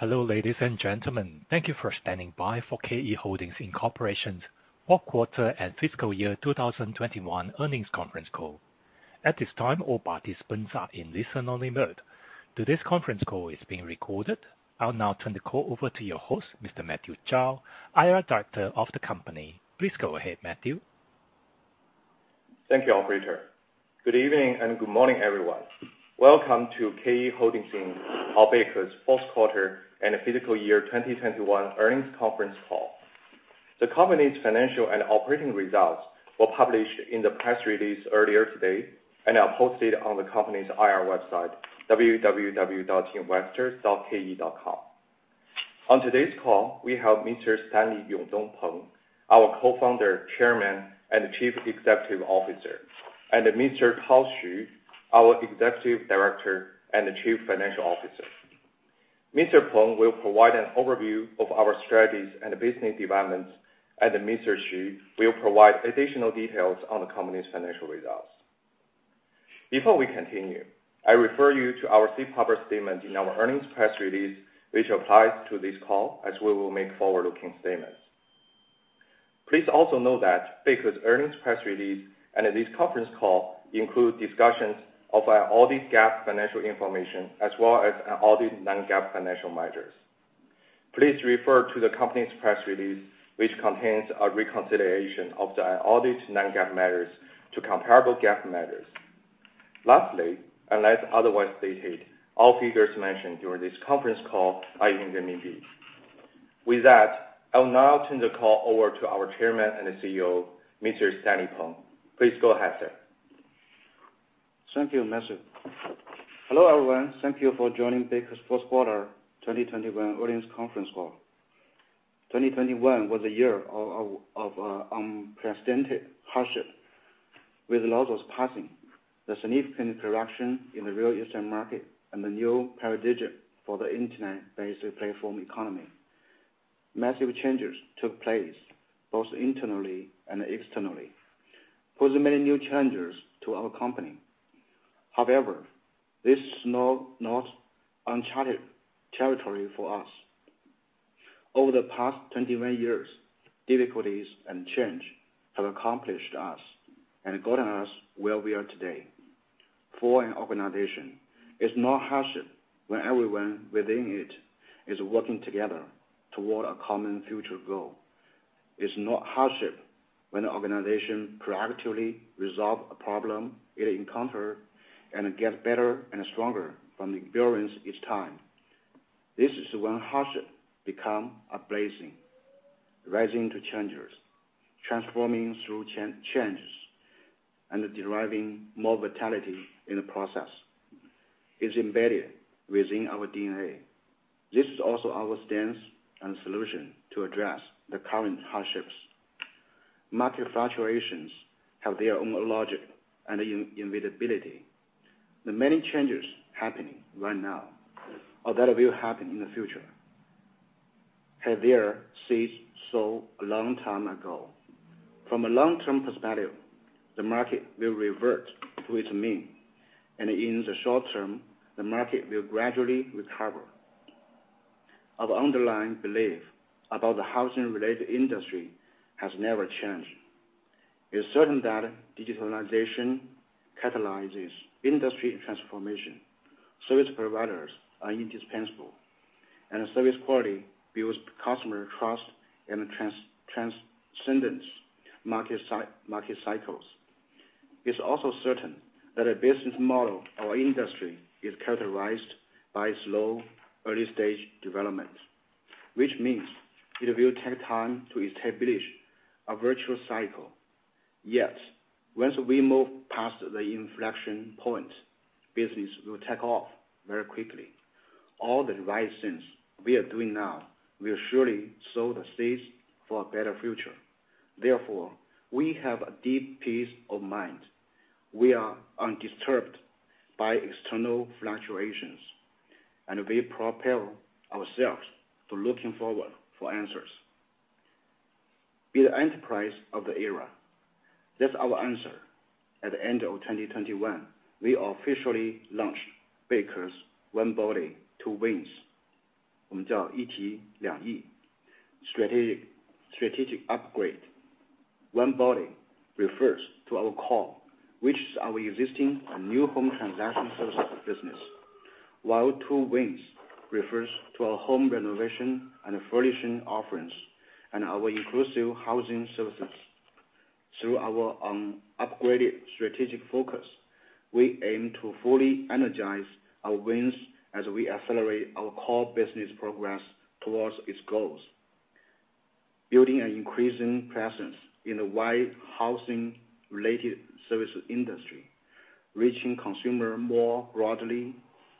Hello, ladies and gentlemen. Thank you for standing by for KE Holdings Inc.'s fourth quarter and fiscal year 2021 earnings conference call. At this time, all participants are in listen-only mode. Today's conference call is being recorded. I'll now turn the call over to your host, Mr. Matthew Zhao, IR Director of the company. Please go ahead, Matthew. Thank you, operator. Good evening, and good morning, everyone. Welcome to KE Holdings Inc., or Beike's fourth quarter and fiscal year 2021 earnings conference call. The company's financial and operating results were published in the press release earlier today and are posted on the company's IR website, www.investor.ke.com. On today's call, we have Mr. Stanley Yongdong Peng, our Co-founder, Chairman, and Chief Executive Officer, and Mr. Tao Xu, our Executive Director and Chief Financial Officer. Mr. Peng will provide an overview of our strategies and business developments, and Mr. Xu will provide additional details on the company's financial results. Before we continue, I refer you to our safe harbor statement in our earnings press release, which applies to this call, as we will make forward-looking statements. Please also note that Beike's earnings press release and this conference call include discussions of our audited GAAP financial information, as well as our audited non-GAAP financial measures. Please refer to the company's press release, which contains a reconciliation of the audited non-GAAP measures to comparable GAAP measures. Lastly, unless otherwise stated, all figures mentioned during this conference call are in renminbi. With that, I will now turn the call over to our Chairman and CEO, Mr. Stanley Peng. Please go ahead, sir. Thank you, Matthew. Hello, everyone. Thank you for joining Beike's fourth quarter 2021 earnings conference call. 2021 was a year of unprecedented hardship, with Lao Zuo's passing, the significant reduction in the real estate market, and the new paradigm for the internet-based platform economy. Massive changes took place both internally and externally, posing many new challenges to our company. However, this is not uncharted territory for us. Over the past 21 years, difficulties and change have accomplished us and gotten us where we are today. For an organization, it's not hardship when everyone within it is working together toward a common future goal. It's not hardship when an organization proactively resolve a problem it encounter and get better and stronger from the experience each time. This is when hardship become a blessing. Rising to challenges, transforming through changes, and deriving more vitality in the process is embedded within our DNA. This is also our stance and solution to address the current hardships. Market fluctuations have their own logic and invisibility. The many changes happening right now, or that will happen in the future, have their seeds sown a long time ago. From a long-term perspective, the market will revert to its mean, and in the short term, the market will gradually recover. Our underlying belief about the housing-related industry has never changed. It's certain that digitalization catalyzes industry transformation. Service providers are indispensable. Service quality builds customer trust and transcend market cycles. It's also certain that a business model or industry is characterized by slow early-stage development, which means it will take time to establish a virtuous cycle. Yet, once we move past the inflection point, business will take off very quickly. All the right things we are doing now will surely sow the seeds for a better future. Therefore, we have a deep peace of mind. We are undisturbed by external fluctuations, and we propel ourselves to looking forward for answers. Be the enterprise of the era. That's our answer. At the end of 2021, we officially launched Beike's One Body, Two Wings strategic upgrade. One Body refers to our core, which is our existing and new home transaction services business, while Two Wings refers to our home renovation and furnishing offerings and our inclusive housing services. Through our upgraded strategic focus, we aim to fully energize our wings as we accelerate our core business progress towards its goals. Building an increasing presence in the wide housing-related service industry, reaching consumer more broadly,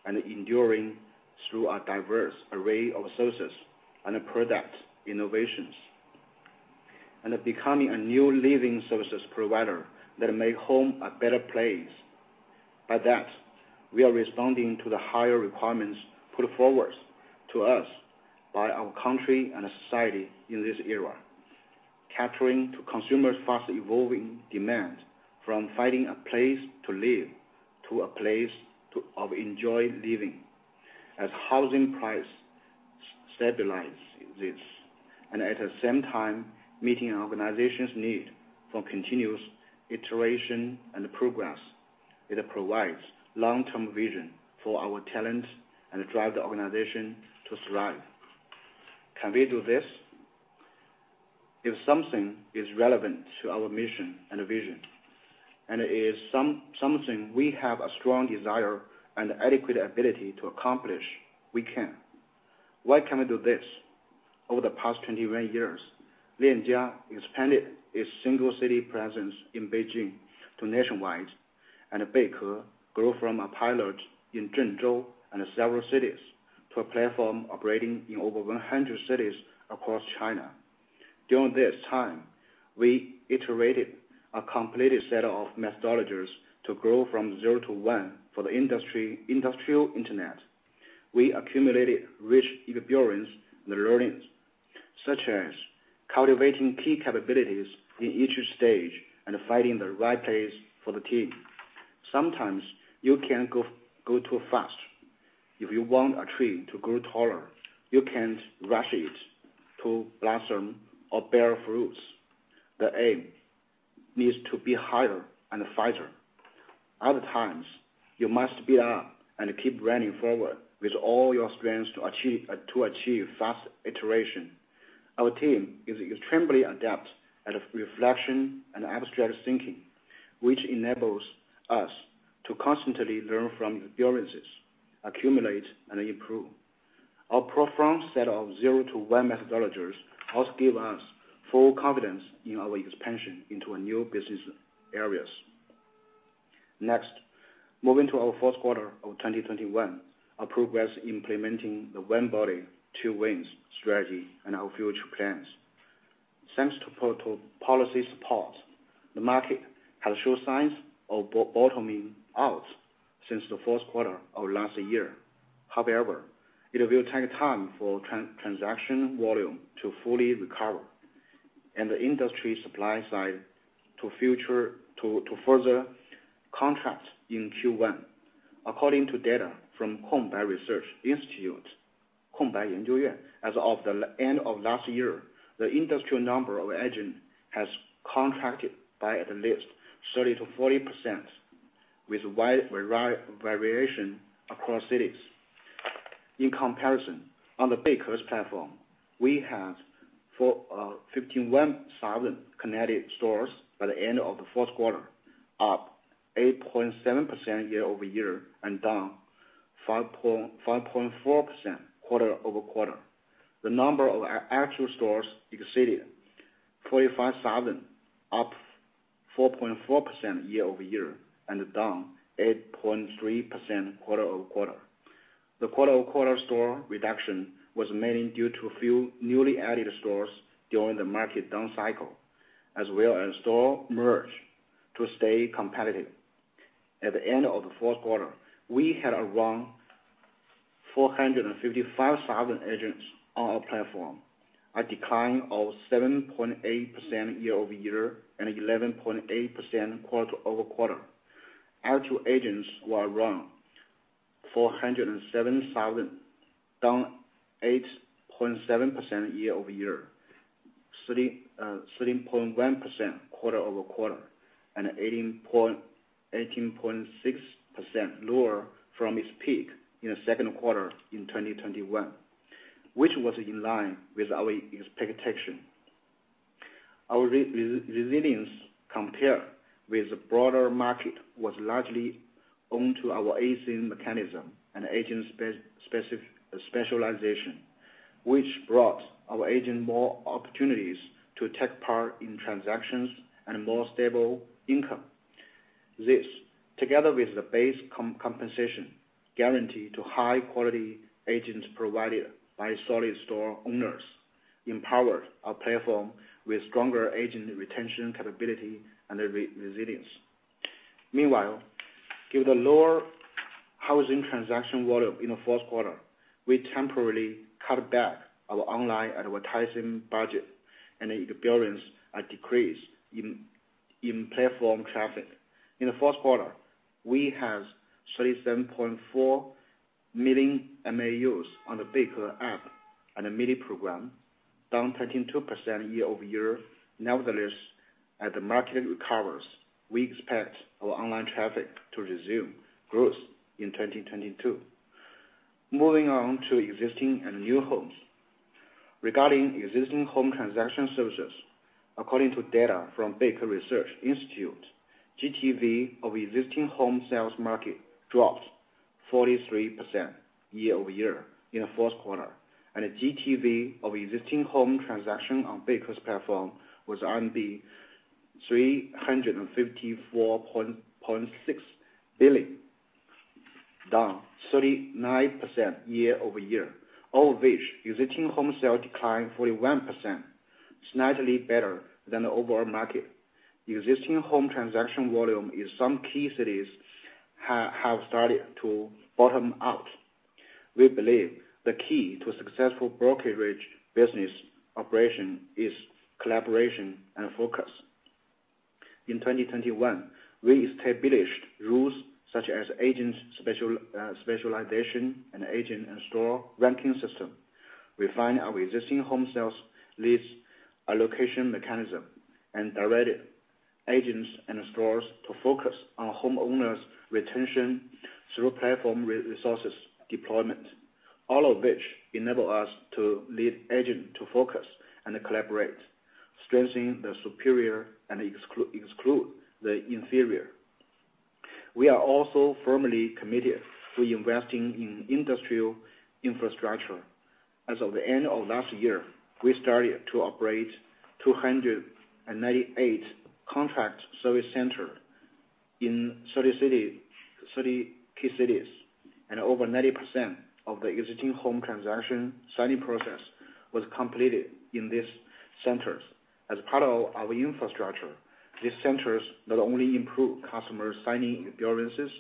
and enduring through a diverse array of services and product innovations, and becoming a new living services provider that make home a better place. By that, we are responding to the higher requirements put forward to us by our country and society in this era. Capturing to consumers' fast evolving demands from finding a place to live to a place of enjoying living as housing price stabilizes. At the same time, meeting an organization's need for continuous iteration and progress. It provides long-term vision for our talent and drive the organization to thrive. Can we do this? If something is relevant to our mission and vision, and it is something we have a strong desire and adequate ability to accomplish, we can. Why can we do this? Over the past 21 years, Lianjia expanded its single city presence in Beijing to nationwide, and Beike grew from a pilot in Zhengzhou and several cities to a platform operating in over 100 cities across China. During this time, we iterated a complete set of methodologies to grow from zero to one for the industry, industrial internet. We accumulated rich experience and learnings, such as cultivating key capabilities in each stage and finding the right place for the team. Sometimes you can't go too fast. If you want a tree to grow taller, you can't rush it to blossom or bear fruits. The aim needs to be higher and faster. Other times, you must speed up and keep running forward with all your strengths to achieve fast iteration. Our team is extremely adept at reflection and abstract thinking, which enables us to constantly learn from experiences, accumulate and improve. Our profound set of zero-to-one methodologies also give us full confidence in our expansion into new business areas. Next, moving to our fourth quarter of 2021, our progress implementing the One Body, Two Wings strategy and our future plans. Thanks to property policy support, the market has showed signs of bottoming out since the fourth quarter of last year. However, it will take time for transaction volume to fully recover and the industry supply side to further contract in Q1. According to data from Beike Research Institute, as of the end of last year, the industry number of agents has contracted by at least 30%-40%, with wide variation across cities. In comparison, on the Beike platform, we had 51,000 connected stores by the end of the fourth quarter, up 8.7% year-over-year and down 5.4% quarter-over-quarter. The number of actual stores exceeded 45,000, up 4.4% year-over-year and down 8.3% quarter-over-quarter. The quarter-over-quarter store reduction was mainly due to few newly added stores during the market down cycle, as well as store merge to stay competitive. At the end of the fourth quarter, we had around 455,000 agents on our platform, a decline of 7.8% year-over-year and 11.8% quarter-over-quarter. Actual agents were around 407,000, down 8.7% year-over-year, 13.1% quarter-over-quarter, and 18.6% lower from its peak in the second quarter of 2021, which was in line with our expectation. Our resilience compared with the broader market was largely due to our ACE mechanism and agent specialization, which brought our agent more opportunities to take part in transactions and more stable income. This, together with the base compensation guarantee to high quality agents provided by solid store owners, empowered our platform with stronger agent retention capability and resilience. Meanwhile, given the lower housing transaction volume in the fourth quarter, we temporarily cut back our online advertising budget and experienced a decrease in platform traffic. In the fourth quarter, we had 37.4 million MAUs on the Beike app and the Mini Program, down 13.2% year-over-year. Nevertheless, as the market recovers, we expect our online traffic to resume growth in 2022. Moving on to existing and new homes. Regarding existing home transaction services, according to data from Beike Research Institute, GTV of existing home sales market dropped 43% year-over-year in the fourth quarter, and the GTV of existing home transaction on Beike's platform was 354.6 billion, down 39% year-over-year. Of which, existing home sales declined 41%, slightly better than the overall market. Existing home transaction volume in some key cities have started to bottom out. We believe the key to successful brokerage business operation is collaboration and focus. In 2021, we established rules such as agent specialization and agent and store ranking system. We refined our existing home sales leads allocation mechanism and direct agents and stores to focus on homeowners retention through platform resources deployment, all of which enable us to lead agent to focus and collaborate, strengthening the superior and exclude the inferior. We are also firmly committed to investing in industrial infrastructure. As of the end of last year, we started to operate 298 contract service center in 30 key cities, and over 90% of the existing home transaction signing process was completed in these centers. As part of our infrastructure, these centers not only improve customer signing experiences,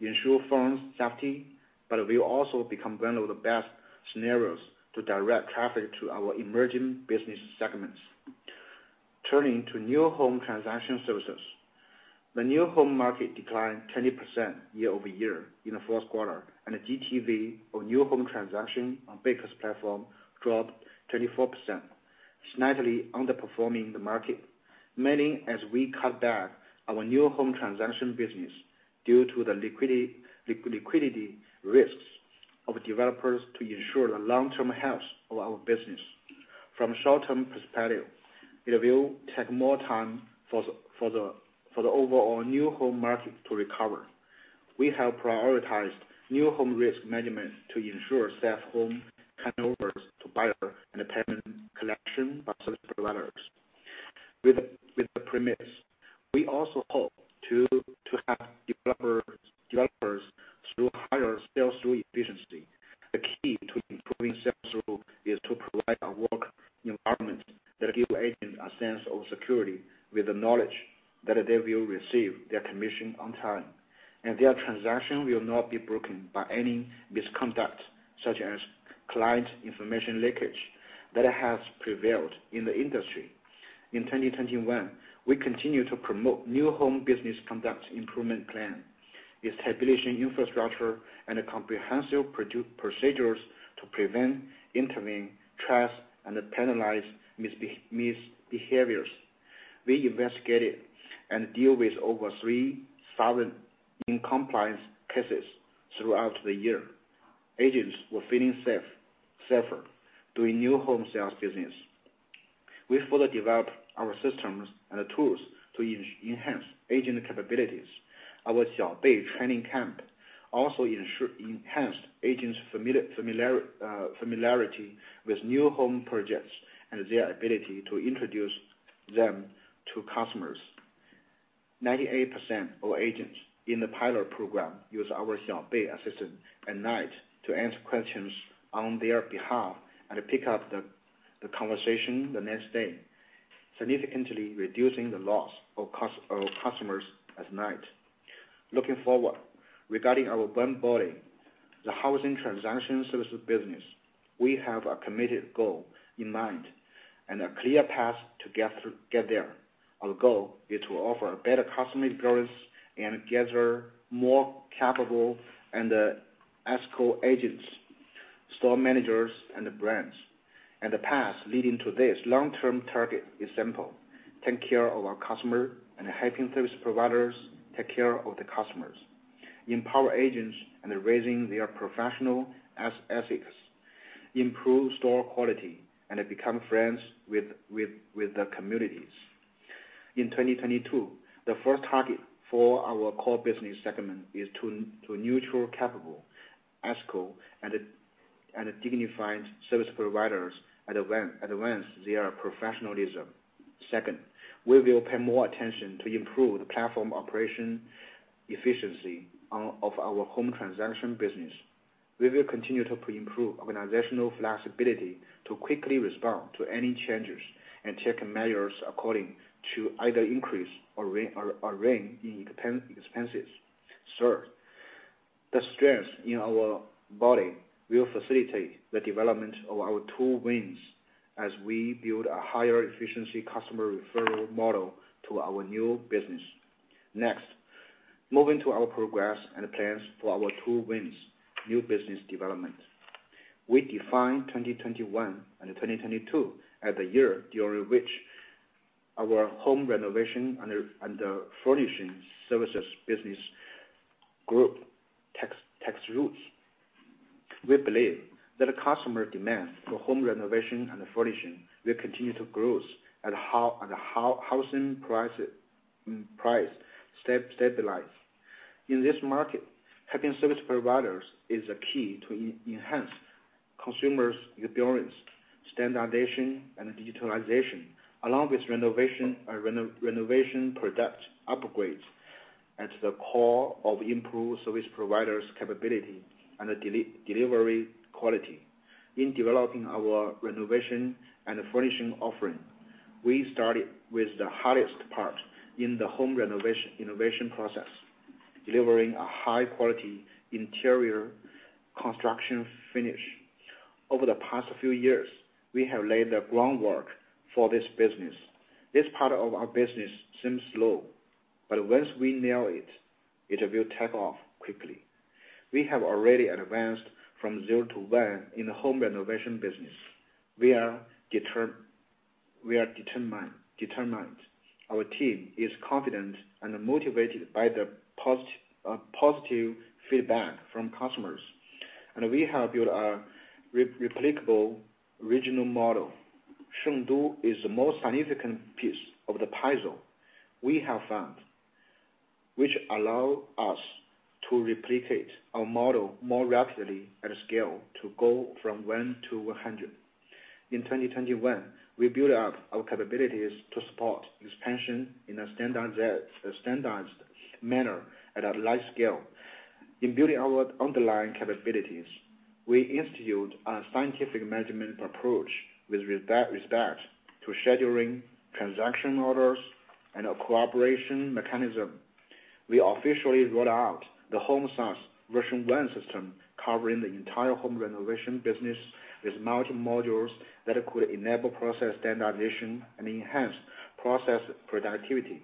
ensure funds safety, but will also become one of the best scenarios to direct traffic to our emerging business segments. Turning to new home transaction services. The new home market declined 20% year-over-year in the fourth quarter, and GTV or new home transaction on Beike's platform dropped 24%, slightly underperforming the market. Mainly as we cut back our new home transaction business due to the liquidity risks of developers to ensure the long-term health of our business. From a short-term perspective, it will take more time for the overall new home market to recover. We have prioritized new home risk management to ensure safe home turnovers to buyers and the payment collection by service providers. With the premise, we also hope to help developers through higher sales through efficiency. The key to improving sales throughput is to provide a work environment that gives agents a sense of security with the knowledge that they will receive their commission on time, and their transaction will not be broken by any misconduct, such as client information leakage that has prevailed in the industry. In 2021, we continue to promote new home business conduct improvement plan, establishing infrastructure and a comprehensive procedures to prevent, intervene, deter and penalize misbehaviors. We investigated and deal with over 3,000 non-compliance cases throughout the year. Agents were feeling safe, safer doing new home sales business. We further develop our systems and tools to enhance agent capabilities. Our Xiao Bei training camp also ensure enhanced agents familiarity with new home projects and their ability to introduce them to customers. 98% of agents in the pilot program use our Xiao Bei assistant at night to answer questions on their behalf and pick up the conversation the next day, significantly reducing the loss of customers at night. Looking forward, regarding our One Body, the housing transaction services business, we have a committed goal in mind and a clear path to get there. Our goal is to offer better customer experience and gather more capable and ACE agents, store managers, and the brands. The path leading to this long-term target is simple. Take care of our customer and helping service providers take care of the customers, empower agents and raising their professional ethics, improve store quality, and become friends with the communities. In 2022, the first target for our core business segment is to nurture capable ACE and a dignified service providers, advance their professionalism. Second, we will pay more attention to improve the platform operation efficiency of our home transaction business. We will continue to improve organizational flexibility to quickly respond to any changes and take measures according to either increase or reign in expenses. Third, the strengths in our Body will facilitate the development of our Two Wings as we build a higher efficiency customer referral model to our new business. Next, moving to our progress and plans for our Two Wings, new business development. We define 2021 and 2022 as the year during which our home renovation and furnishing services business group takes roots. We believe that customer demand for home renovation and furnishing will continue to grow as housing prices stabilize. In this market, helping service providers is a key to enhance consumers' experience, standardization and digitalization, along with renovation product upgrades at the core of improved service providers' capability and delivery quality. In developing our renovation and furnishing offering, we started with the hardest part in the home renovation innovation process, delivering a high-quality interior construction finish. Over the past few years, we have laid the groundwork for this business. This part of our business seems slow, but once we nail it will take off quickly. We have already advanced from zero to one in the home renovation business. We are determined. Our team is confident and motivated by the positive feedback from customers. We have built a replicable regional model. Shengdu is the most significant piece of the puzzle we have found, which allow us to replicate our model more rapidly at scale to go from 1 to 100. In 2021, we built up our capabilities to support expansion in a standardized manner at a large scale. In building our underlying capabilities, we institute a scientific management approach with respect to scheduling, transaction orders, and a cooperation mechanism. We officially rolled out the Home SaaS version 1 system covering the entire home renovation business with multiple modules that could enable process standardization and enhance process productivity.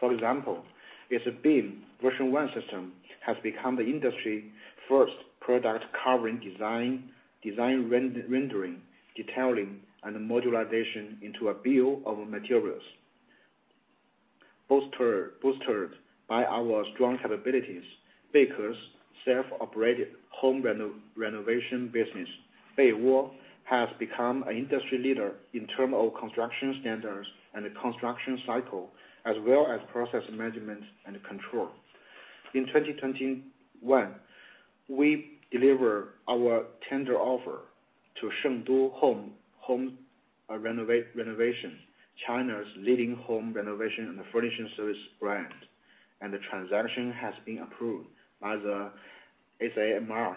For example, its BIM version 1 system has become the industry-first product covering design, rendering, detailing, and modularization into a bill of materials. Bolstered by our strong capabilities, Beike's self-operated home renovation business, Beiwoo, has become an industry leader in terms of construction standards and construction cycle, as well as process management and control. In 2021, we deliver our tender offer to Shengdu Home Renovation, China's leading home renovation and furnishing service brand, and the transaction has been approved by the SAMR.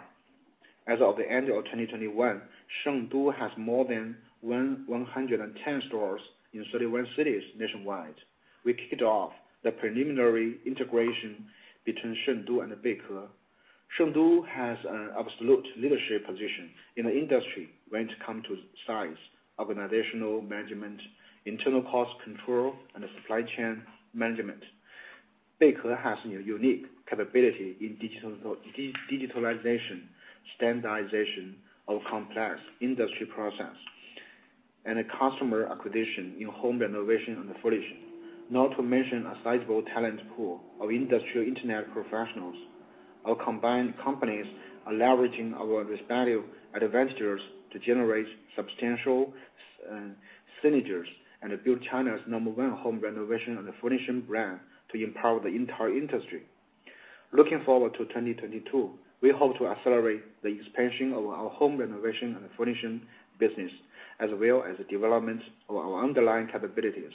As of the end of 2021, Shengdu has more than 110 stores in 31 cities nationwide. We kicked off the preliminary integration between Shengdu and Beike. Shengdu has an absolute leadership position in the industry when it come to size, organizational management, internal cost control, and supply chain management. Beike has a unique capability in digitalization, standardization of complex industry process, and customer acquisition in home renovation and furnishing, not to mention a sizable talent pool of industrial internet professionals. Our combined companies are leveraging our respective advantages to generate substantial synergies and build China's number one home renovation and furnishing brand to empower the entire industry. Looking forward to 2022, we hope to accelerate the expansion of our home renovation and furnishing business, as well as the development of our underlying capabilities.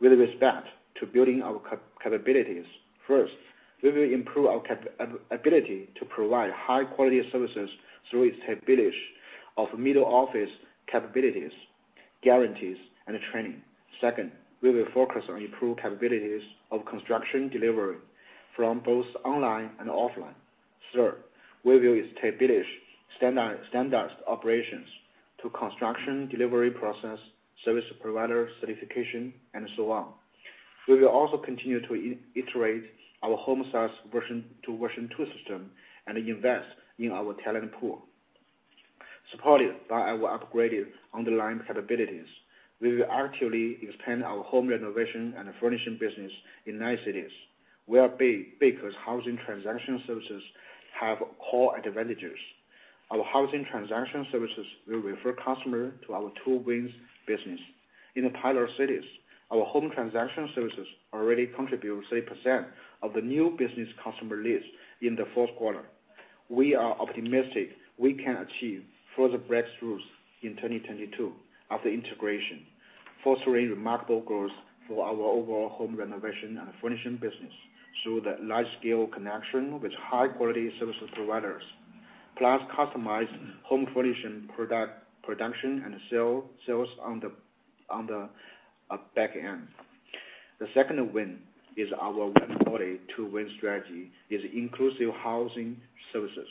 With respect to building our capabilities, first, we will improve our ability to provide high-quality services through establishment of middle-office capabilities, guarantees, and training. Second, we will focus on improving capabilities of construction delivery from both online and offline. Third, we will establish standardized operations to the construction delivery process, service provider certification, and so on. We will also continue to iterate our Home SaaS version 2.0 system and invest in our talent pool. Supported by our upgraded underlying capabilities, we will actively expand our home renovation and furnishing business in nine cities, where Beike's housing transaction services have core advantages. Our housing transaction services will refer customers to our Two Wings business. In the pilot cities, our home transaction services already contribute 3% of the new business customer leads in the fourth quarter. We are optimistic we can achieve further breakthroughs in 2022 after integration, fostering remarkable growth for our overall home renovation and furnishing business through the large-scale connection with high-quality service providers, plus customized home furnishing products sales on the back end. The second wing of our One Body, Two Wings strategy is inclusive housing services.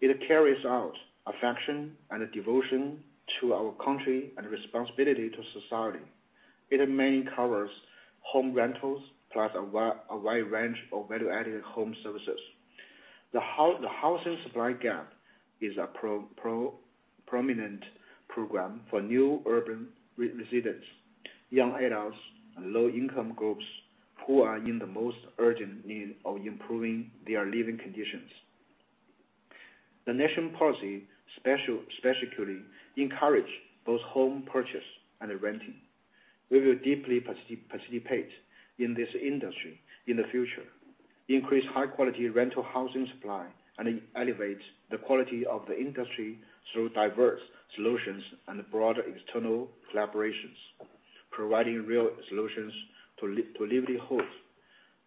It carries out affection and devotion to our country and responsibility to society. It mainly covers home rentals, plus a wide range of value-added home services. The housing supply gap is a prominent problem for new urban residents, young adults, and low-income groups who are in the most urgent need of improving their living conditions. The national policy specifically encourage both home purchase and renting. We will deeply participate in this industry in the future, increase high-quality rental housing supply, and elevate the quality of the industry through diverse solutions and broader external collaborations, providing real solutions to livelihood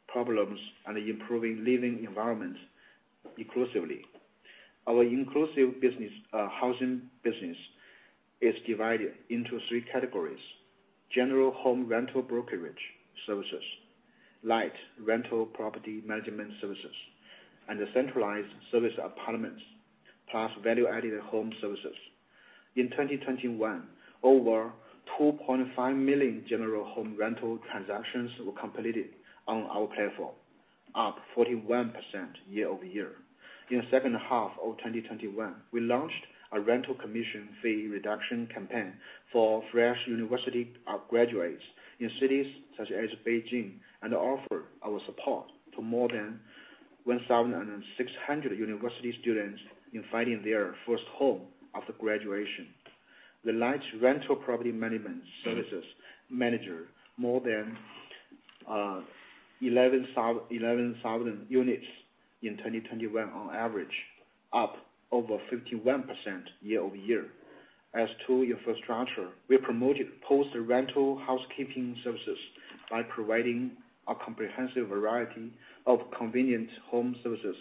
problems and improving living environments inclusively. Our inclusive business, housing business is divided into three categories, general home rental brokerage services, light rental property management services, and the centralized service apartments, plus value-added home services. In 2021, over 2.5 million general home rental transactions were completed on our platform, up 41% year-over-year. In the second half of 2021, we launched a rental commission fee reduction campaign for fresh university graduates in cities such as Beijing, and offer our support to more than 1,600 university students in finding their first home after graduation. The light rental property management services managed more than 11,000 units in 2021 on average, up over 51% year-over-year. As to infrastructure, we promoted post-rental housekeeping services by providing a comprehensive variety of convenient home services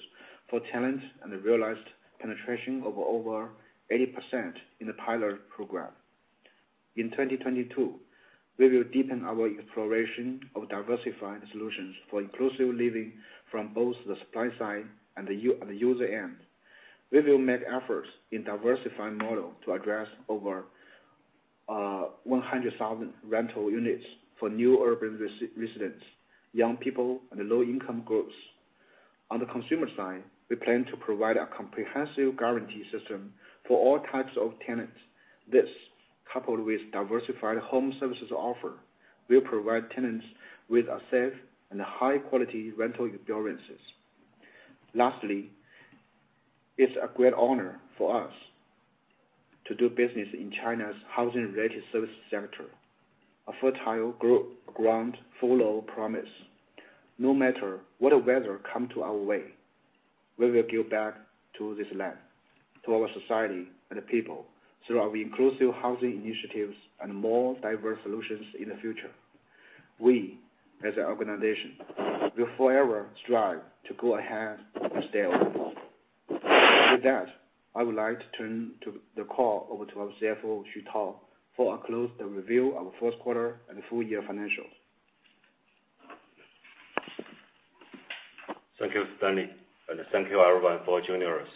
for tenants and realized penetration of over 80% in the pilot program. In 2022, we will deepen our exploration of diversified solutions for inclusive living from both the supply side and the user end. We will make efforts in diversifying model to address over 100,000 rental units for new urban residents, young people and the low-income groups. On the consumer side, we plan to provide a comprehensive guarantee system for all types of tenants. This, coupled with diversified home services offer, will provide tenants with a safe and high-quality rental experiences. Lastly, it's a great honor for us to do business in China's housing-related service sector, a fertile ground full of promise. No matter whatever comes our way, we will give back to this land, to our society and the people through our inclusive housing initiatives and more diverse solutions in the future. We, as an organization, will forever strive to go ahead and stay open. With that, I would like to turn the call over to our CFO, Tao Xu, for a closer review of our first quarter and full year financials. Thank you, Stanley, and thank you everyone for joining us.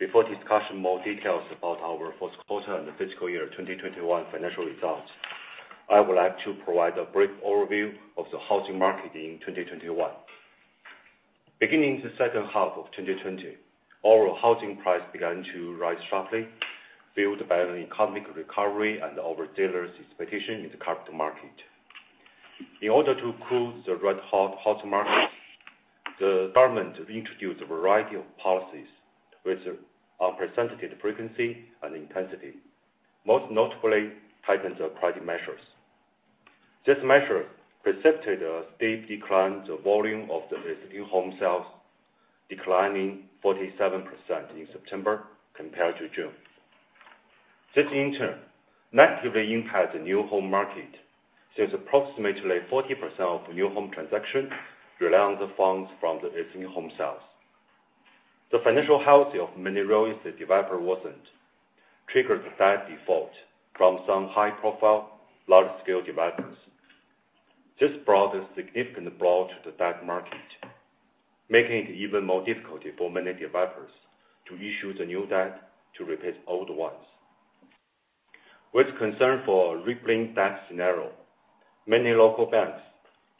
Before discussing more details about our first quarter and the fiscal year 2021 financial results, I would like to provide a brief overview of the housing market in 2021. Beginning the second half of 2020, overall housing price began to rise sharply, fueled by an economic recovery and over dealers' expectation in the capital market. In order to cool the red-hot housing market, the government have introduced a variety of policies with unprecedented frequency and intensity, most notably, tightened the credit measures. This measure precipitated a steep decline, the volume of the existing home sales declining 47% in September compared to June. This, in turn, negatively impact the new home market. Since approximately 40% of new home transaction rely on the funds from the existing home sales. The financial health of many real estate developers was triggered by the debt defaults from some high-profile, large-scale developers. This brought a significant blow to the debt market, making it even more difficult for many developers to issue the new debt to repay old ones. With concern for rippling debt scenario, many local banks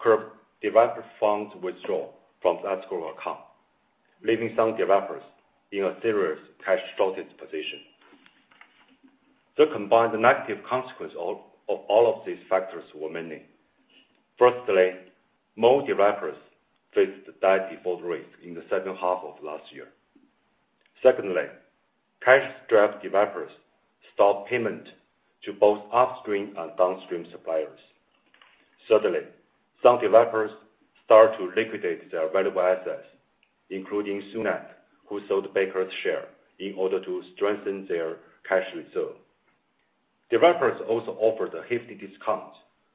curbed developer funds withdrawal from escrow account, leaving some developers in a serious cash shortage position. The combined negative consequences of all of these factors were many. Firstly, more developers faced debt defaults in the second half of last year. Secondly, cash-strapped developers stopped payment to both upstream and downstream suppliers. Thirdly, some developers start to liquidate their valuable assets, including Sunac, who sold Beike's share in order to strengthen their cash reserve. Developers also offered a hefty discount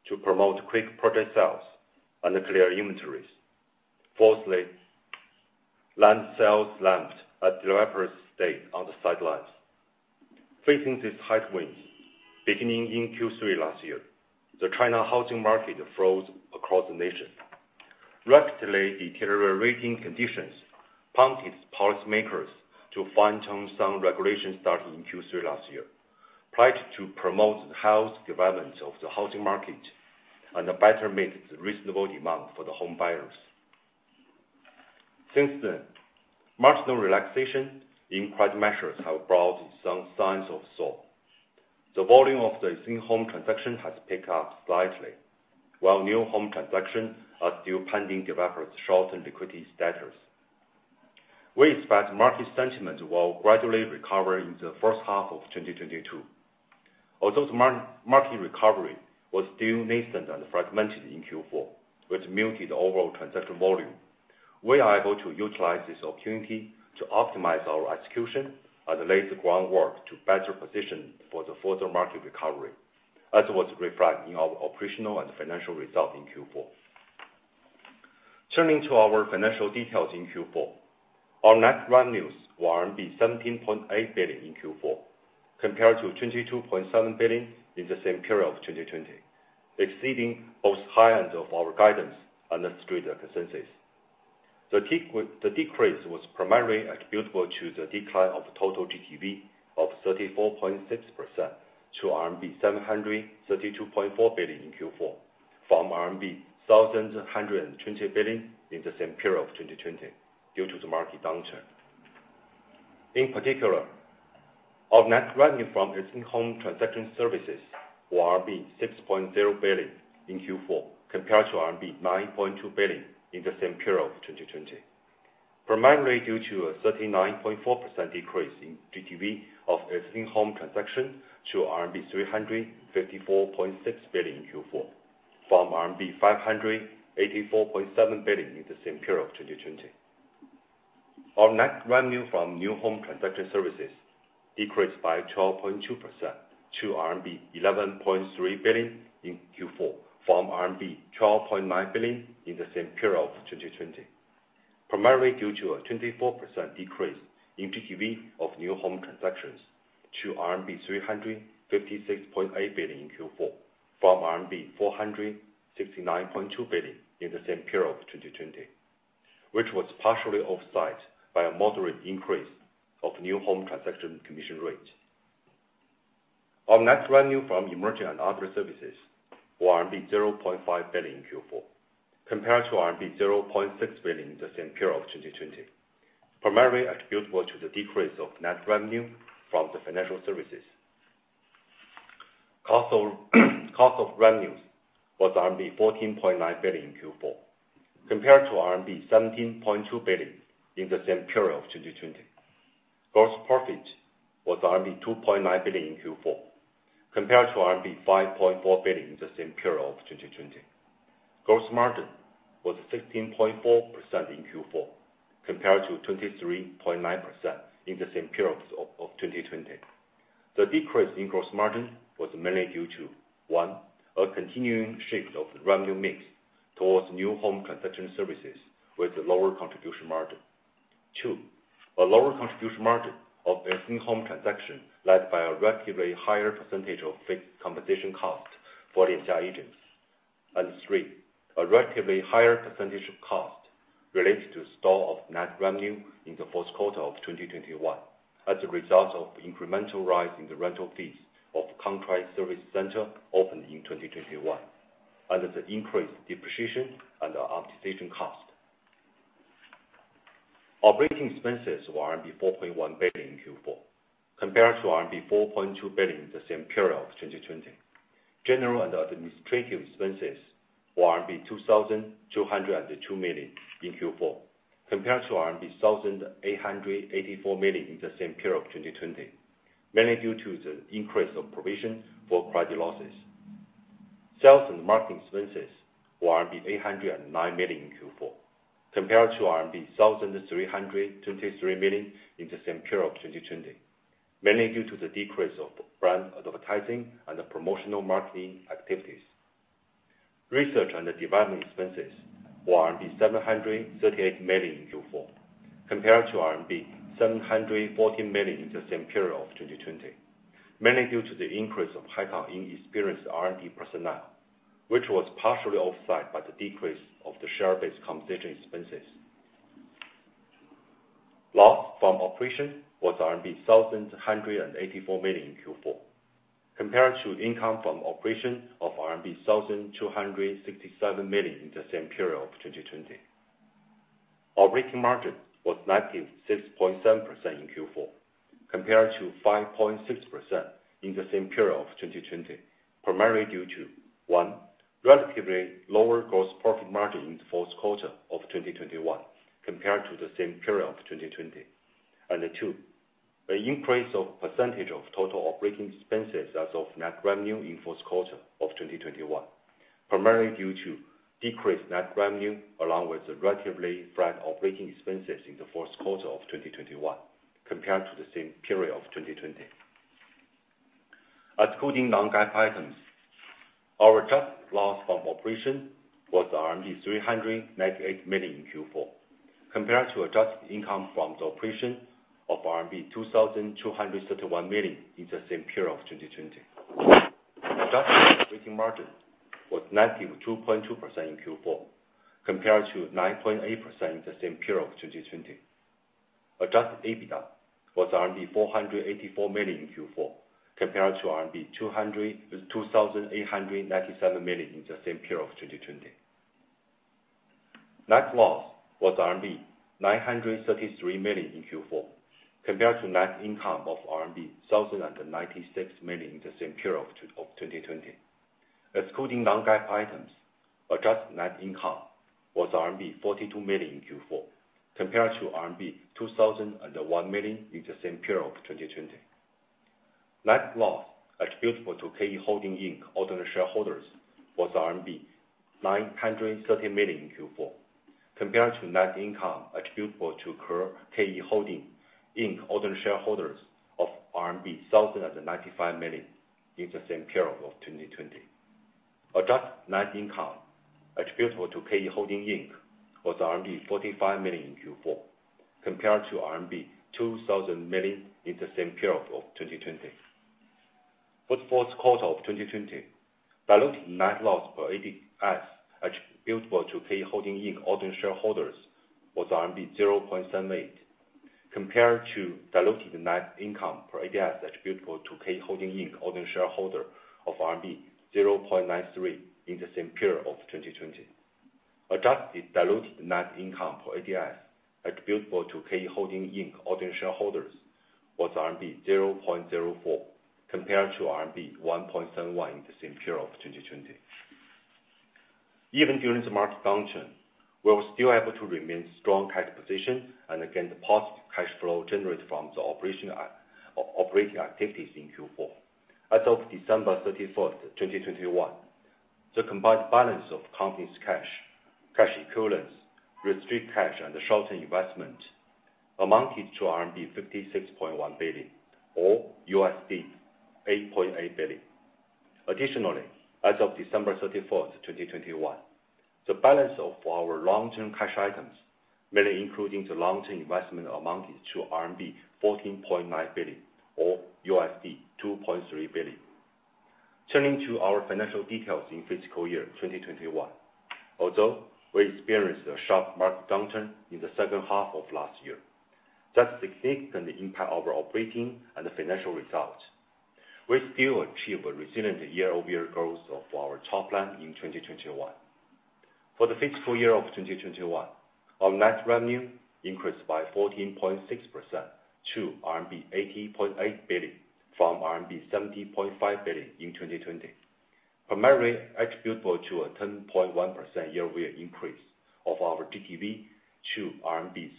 to promote quick project sales and clear inventories. Fourthly, land sales lapsed as developers stayed on the sidelines. Facing these headwinds, beginning in Q3 last year, the China housing market froze across the nation. Rapidly deteriorating conditions prompted policymakers to fine-tune some regulations starting in Q3 last year, pledged to promote the health development of the housing market and better meet the reasonable demand for the home buyers. Since then, marginal relaxation in credit measures have brought some signs of thaw. The volume of the existing home transaction has picked up slightly, while new home transaction are still pending developers' short and liquidity status. We expect market sentiment will gradually recover in the first half of 2022. Although the market recovery was still nascent and fragmented in Q4, which muted the overall transaction volume. We are able to utilize this opportunity to optimize our execution and lay the groundwork to better position for the further market recovery, as was reflected in our operational and financial results in Q4. Turning to our financial details in Q4. Our net revenues were 17.8 billion in Q4, compared to 22.7 billion in the same period of 2020, exceeding both high ends of our guidance and the Street consensus. The decrease was primarily attributable to the decline of total GTV of 34.6% to RMB 732.4 billion in Q4, from RMB 1,120 billion in the same period of 2020 due to the market downturn. In particular, our net revenue from existing home transaction services were RMB 6.0 billion in Q4, compared to RMB 9.2 billion in the same period of 2020. Primarily due to a 39.4% decrease in GTV of existing home transaction to RMB 354.6 billion in Q4, from RMB 584.7 billion in the same period of 2020. Our net revenue from new home transaction services decreased by 12.2% to RMB 11.3 billion in Q4, from RMB 12.9 billion in the same period of 2020. Primarily due to a 24% decrease in GTV of new home transactions to RMB 356.8 billion in Q4, from RMB 469.2 billion in the same period of 2020, which was partially offset by a moderate increase of new home transaction commission rate. Our net revenue from emerging and other services were RMB 0.5 billion in Q4, compared to RMB 0.6 billion in the same period of 2020. Primarily attributable to the decrease of net revenue from the financial services. Cost of revenues was RMB 14.9 billion in Q4, compared to RMB 17.2 billion in the same period of 2020. Gross profit was RMB 2.9 billion in Q4, compared to RMB 5.4 billion in the same period of 2020. Gross margin was 16.4% in Q4, compared to 23.9% in the same period of 2020. The decrease in gross margin was mainly due to one, a continuing shift of revenue mix towards new home transaction services with a lower contribution margin. Two, a lower contribution margin of existing home transaction led by a relatively higher percentage of fixed compensation cost for the agent. And three, a relatively higher percentage of cost related to store of net revenue in the fourth quarter of 2021 as a result of incremental rise in the rental fees of contract service center opened in 2021, and the increased depreciation and amortization cost. Operating expenses were RMB 4.1 billion in Q4, compared to RMB 4.2 billion in the same period of 2020. General and administrative expenses were RMB 2,202 million in Q4, compared to RMB 1,884 million in the same period of 2020, mainly due to the increase of provision for credit losses. Sales and marketing expenses were RMB 809 million in Q4, compared to RMB 1,323 million in the same period of 2020, mainly due to the decrease of brand advertising and the promotional marketing activities. Research and development expenses were RMB 738 million in Q4, compared to RMB 740 million in the same period of 2020, mainly due to the increase of highly experienced R&D personnel, which was partially offset by the decrease of the share-based compensation expenses. Loss from operations was RMB 1,084 million in Q4, compared to income from operations of RMB 1,267 million in the same period of 2020. Operating margin was -6.7% in Q4, compared to 5.6% in the same period of 2020, primarily due to, one, relatively lower gross profit margin in the fourth quarter of 2021 compared to the same period of 2020. Two, an increase in percentage of total operating expenses as % of net revenue in fourth quarter of 2021, primarily due to decreased net revenue, along with relatively flat operating expenses in the fourth quarter of 2021, compared to the same period of 2020. Excluding non-GAAP items, our adjusted loss from operation was 398 million in Q4, compared to adjusted income from the operation of RMB 2,231 million in the same period of 2020. Adjusted operating margin was -2.2% in Q4, compared to 9.8% in the same period of 2020. Adjusted EBITDA was RMB 484 million in Q4, compared to RMB 2,897 million in the same period of 2020. Net loss was RMB 933 million in Q4, compared to net income of RMB 1,096 million in the same period of 2020. Excluding non-GAAP items, adjusted net income was RMB 42 million in Q4, compared to RMB 2,001 million in the same period of 2020. Net loss attributable to KE Holdings Inc. ordinary shareholders was RMB 930 million in Q4, compared to net income attributable to KE Holdings Inc. ordinary shareholders of RMB 1,095 million in the same period of 2020. Adjusted net income attributable to KE Holdings Inc. was RMB 45 million in Q4, compared to RMB 2,000 million in the same period of 2020. For the fourth quarter of 2020, diluted net loss per ADS attributable to KE Holdings Inc. ordinary shareholders was RMB 0.78, compared to diluted net income per ADS attributable to KE Holdings Inc. ordinary shareholder of RMB 0.93 in the same period of 2020. Adjusted diluted net income per ADS attributable to KE Holdings Inc. ordinary shareholders was RMB 0.04, compared to RMB 1.71 in the same period of 2020. Even during the market downturn, we were still able to remain strong cash position and again, the positive cash flow generated from the operating activities in Q4. As of December 31, 2021, the combined balance of company's cash equivalents, restricted cash and the short-term investment amounted to RMB 56.1 billion or $8.8 billion. Additionally, as of December 31, 2021, the balance of our long-term cash items, mainly including the long-term investment amounted to RMB 14.9 billion or $2.3 billion. Turning to our financial details in fiscal year 2021. Although we experienced a sharp market downturn in the second half of last year, that significantly impacted our operations and financial results. We still achieved a resilient year-over-year growth of our top line in 2021. For the fiscal year of 2021, our net revenue increased by 14.6% to RMB 80.8 billion from RMB 70.5 billion in 2020. Primarily attributable to a 10.1% year-over-year increase of our GTV to RMB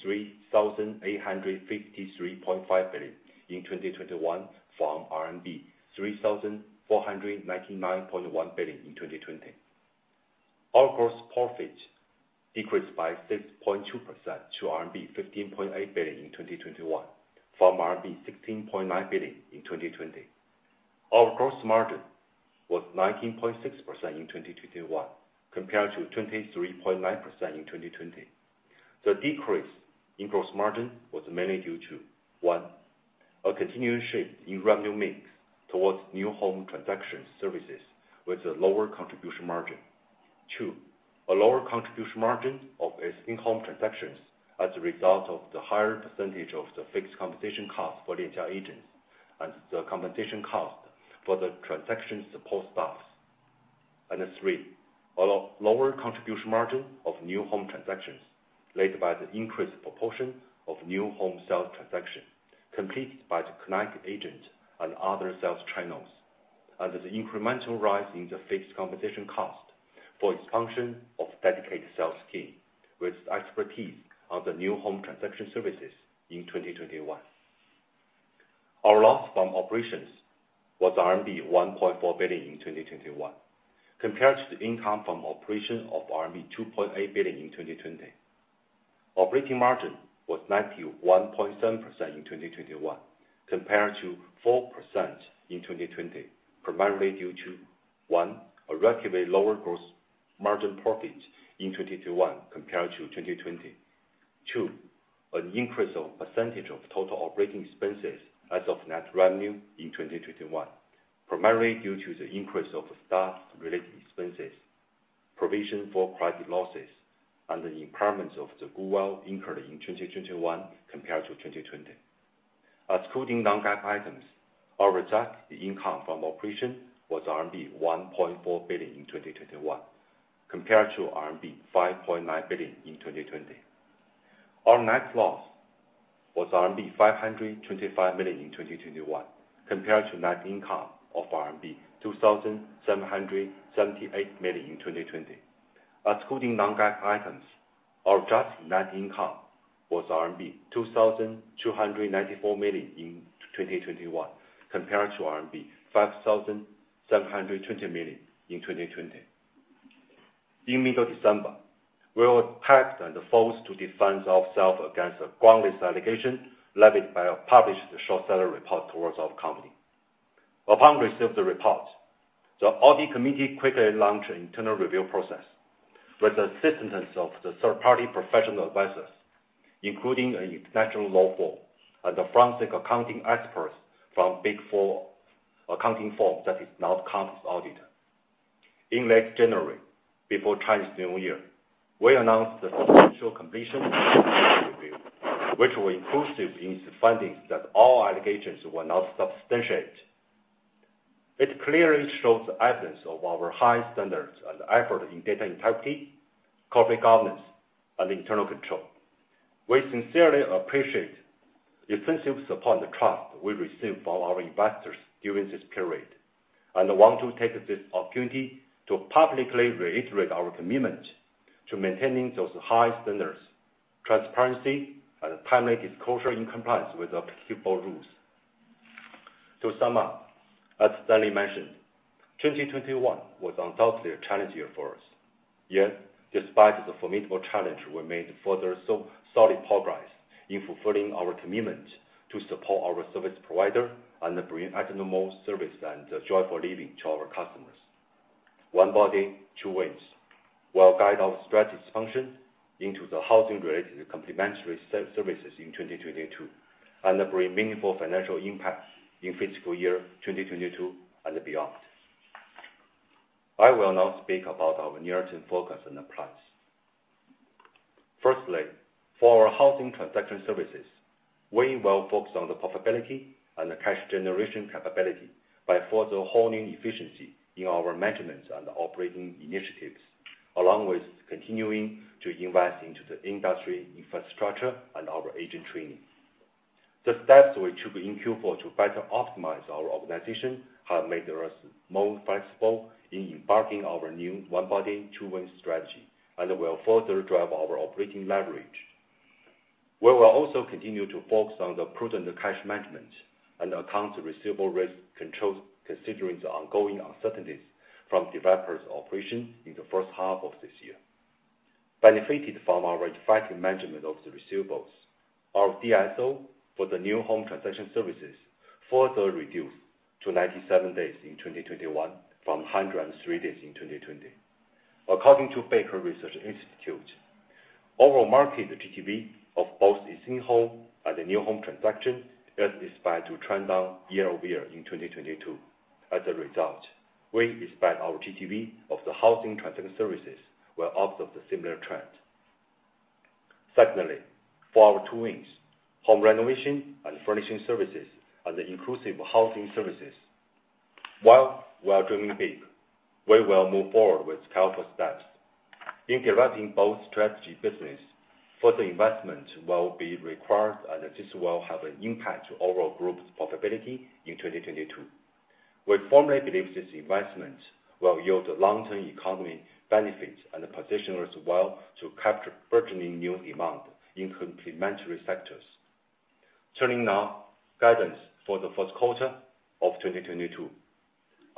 3,853.5 billion in 2021 from RMB 3,499.1 billion in 2020. Our gross profit decreased by 6.2% to RMB 15.8 billion in 2021 from RMB 16.9 billion in 2020. Our gross margin was 19.6% in 2021 compared to 23.9% in 2020. The decrease in gross margin was mainly due to, one, a continuing shift in revenue mix towards new home transaction services with a lower contribution margin. Two, a lower contribution margin of its in-house transactions as a result of the higher percentage of the fixed compensation cost for the in-house agents and the compensation cost for the transaction support staff. Three, a lower contribution margin of new home transactions led by the increased proportion of new home sales transaction completed by the connected agent and other sales channels. There's incremental rise in the fixed compensation cost for its function of dedicated sales team with expertise on the new home transaction services in 2021. Our loss from operations was RMB 1.4 billion in 2021 compared to the income from operation of RMB 2.8 billion in 2020. Operating margin was 91.7% in 2021 compared to 4% in 2020, primarily due to, one, a relatively lower gross margin profit in 2021 compared to 2020. Two, an increase of percentage of total operating expenses as of net revenue in 2021, primarily due to the increase of staff-related expenses, provision for credit losses, and the impairments of the goodwill incurred in 2021 compared to 2020. Excluding non-GAAP items, our adjusted income from operation was RMB 1.4 billion in 2021 compared to RMB 5.9 billion in 2020. Our net loss was RMB 525 million in 2021 compared to net income of RMB 2,778 million in 2020. Excluding non-GAAP items, our adjusted net income was RMB 2,294 million in 2021 compared to RMB 5,720 million in 2020. In mid-December, we were attacked and forced to defend ourselves against a groundless allegation led by a published short seller report towards our company. Upon receiving the report, the audit committee quickly launched an internal review process with the assistance of the third-party professional advisors, including an international law firm and the forensic accounting experts from Big Four accounting firm that is now company's auditor. In late January, before Chinese New Year, we announced the successful completion of the review, which were conclusive in its findings that all allegations were not substantiated. It clearly shows the evidence of our high standards and effort in data integrity, corporate governance, and internal control. We sincerely appreciate extensive support and the trust we receive from our investors during this period. I want to take this opportunity to publicly reiterate our commitment to maintaining those high standards, transparency, and timely disclosure in compliance with applicable rules. To sum up, as Stanley mentioned, 2021 was undoubtedly a challenging year for us. Yet, despite the formidable challenge, we made further solid progress in fulfilling our commitment to support our service providers and bring a normal service and joyful living to our customers. One Body, Two Wings will guide our strategy function into the housing-related complementary services in 2022, and bring meaningful financial impact in fiscal year 2022 and beyond. I will now speak about our near-term focus and plans. Firstly, for our housing transaction services, we will focus on the profitability and the cash generation capability by further honing efficiency in our management and operating initiatives, along with continuing to invest into the industry infrastructure and our agent training. The steps we took in Q4 to better optimize our organization have made us more flexible in embarking on our new One Body, Two Wings strategy, and will further drive our operating leverage. We will also continue to focus on the prudent cash management and accounts receivable risk controls, considering the ongoing uncertainties from developers' operation in the first half of this year. Benefited from our effective management of the receivables, our DSO for the new home transaction services further reduced to 97 days in 2021 from 103 days in 2020. According to Beike Research Institute, overall market GTV of both existing home and the new home transaction is expected to trend down year-over-year in 2022. As a result, we expect our GTV of the housing transaction services will observe the similar trend. Secondly, for our two wings, home renovation and furnishing services and the inclusive housing services, while we are dreaming big, we will move forward with careful steps. In directing both strategic businesses, further investment will be required and this will have an impact to overall group's profitability in 2022. We firmly believe this investment will yield long-term economic benefits and position us well to capture burgeoning new demand in complementary sectors. Turning now to guidance for the first quarter of 2022.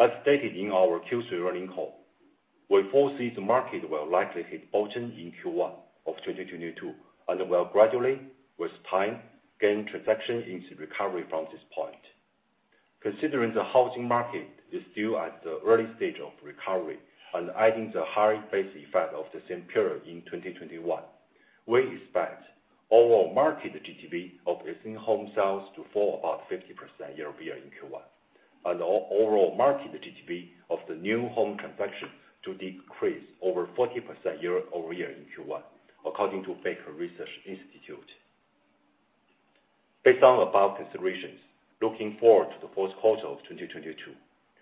As stated in our Q3 earnings call, we foresee the market will likely hit bottom in Q1 of 2022, and will gradually, with time, gain traction into recovery from this point. Considering the housing market is still at the early stage of recovery and adding the high base effect of the same period in 2021, we expect overall market GTV of existing home sales to fall about 50% year-over-year in Q1. Overall market GTV of the new home transaction to decrease over 40% year-over-year in Q1, according to Beike Research Institute. Based on the above considerations, looking forward to the first quarter of 2022,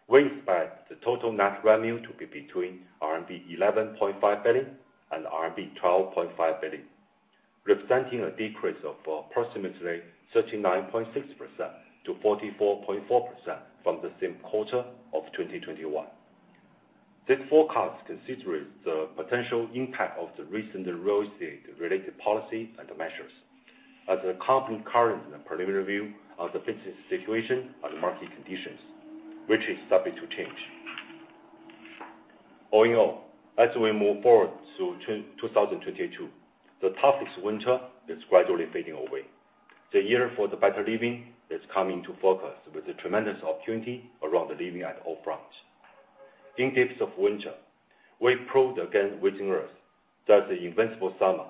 we expect the total net revenue to be between RMB 11.5 billion and RMB 12.5 billion, representing a decrease of approximately 39.6% to 44.4% from the same quarter of 2021. This forecast considers the potential impact of the recent real estate-related policy and measures as the company's current and preliminary view of the business situation and market conditions, which is subject to change. All in all, as we move forward to 2022, the toughest winter is gradually fading away. The year for the better living is coming to focus with the tremendous opportunity around the living at all fronts. In the depths of winter, we found within us an invincible summer.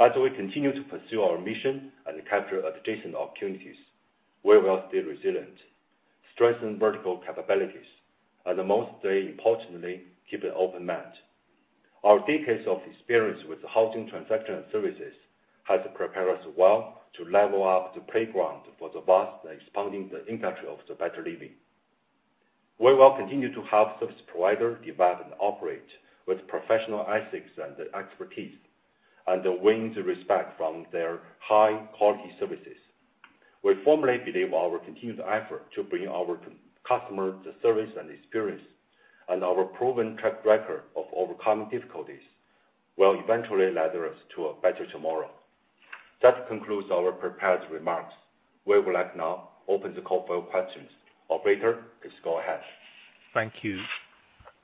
As we continue to pursue our mission and capture adjacent opportunities, we will stay resilient, strengthen vertical capabilities, and most importantly, keep an open mind. Our decades of experience with housing transaction services has prepared us well to level up the playing field for vastly expanding the impact of better living. We will continue to help service providers develop and operate with professional ethics and expertise, and win the respect from their high-quality services. We firmly believe our continued effort to bring our customer the services and experience, and our proven track record of overcoming difficulties, will eventually lead us to a better tomorrow. That concludes our prepared remarks. We would like now to open the call for your questions. Operator, please go ahead. Thank you.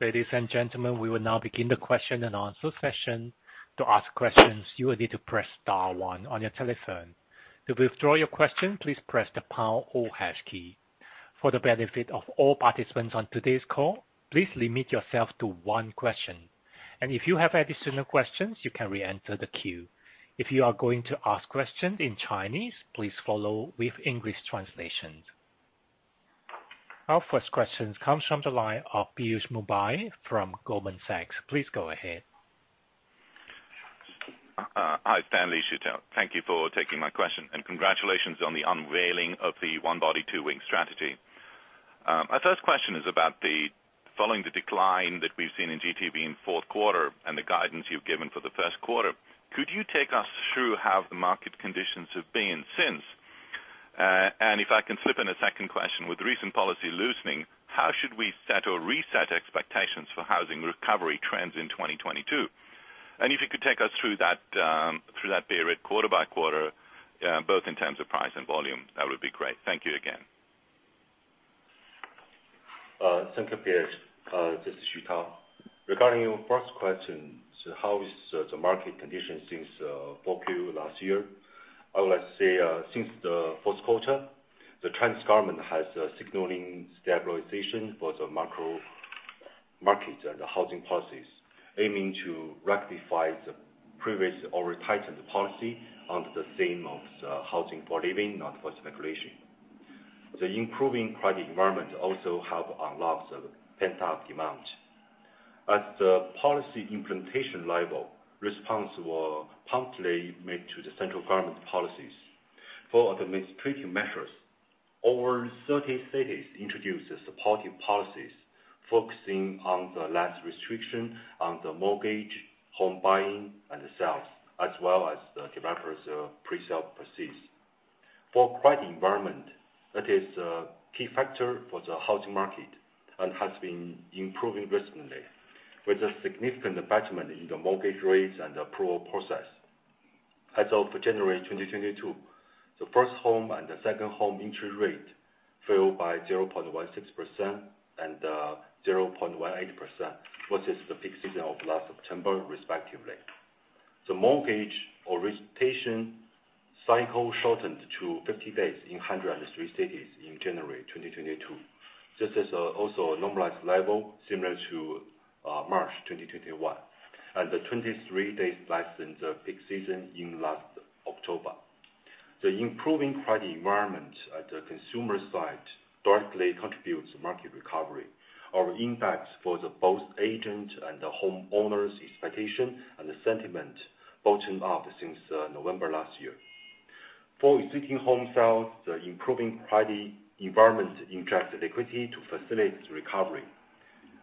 Ladies and gentlemen, we will now begin the question and answer session. To ask questions, you will need to press star one on your telephone. To withdraw your question, please press the pound or hash key. For the benefit of all participants on today's call, please limit yourself to one question. If you have additional questions, you can re-enter the queue. If you are going to ask questions in Chinese, please follow with English translations. Our first question comes from the line of Piyush Mubayi from Goldman Sachs. Please go ahead. Hi, Stanley, Sure. Thank you for taking my question, and congratulations on the unveiling of the One Body, Two Wings strategy. My first question is about Following the decline that we've seen in GTV in fourth quarter and the guidance you've given for the first quarter, could you take us through how the market conditions have been since? If I can slip in a second question: with the recent policy loosening, how should we set or reset expectations for housing recovery trends in 2022? If you could take us through that period quarter by quarter, both in terms of price and volume, that would be great. Thank you again. Thank you, Piyush. This is Tao Xu. Regarding your first question, so how is the market condition since 4Q last year? I would like to say, since the first quarter, the Chinese government has signaling stabilization for the macro market and the housing policies, aiming to rectify the previous overtightened policy under the theme of housing for living, not for speculation. The improving credit environment also help unlock the pent-up demand. At the policy implementation level, response were promptly made to the central government policies. For administrative measures, over 30 cities introduced the supportive policies focusing on the less restriction on the mortgage, home buying, and sales, as well as the developers' pre-sale proceeds. For credit environment, that is a key factor for the housing market and has been improving recently, with a significant betterment in the mortgage rates and the approval process. As of January 2022, the first home and the second home interest rate fell by 0.16% and 0.18% versus the peak season of last September, respectively. The mortgage origination cycle shortened to 50 days in 103 cities in January 2022. This is also a normalized level similar to March 2021, and 23 days less than the peak season in last October. The improving credit environment at the consumer side directly contributes to market recovery or impacts both the agents and the homeowners' expectations and the sentiment bottomed out since November last year. For existing home sales, the improving credit environment injects liquidity to facilitate the recovery.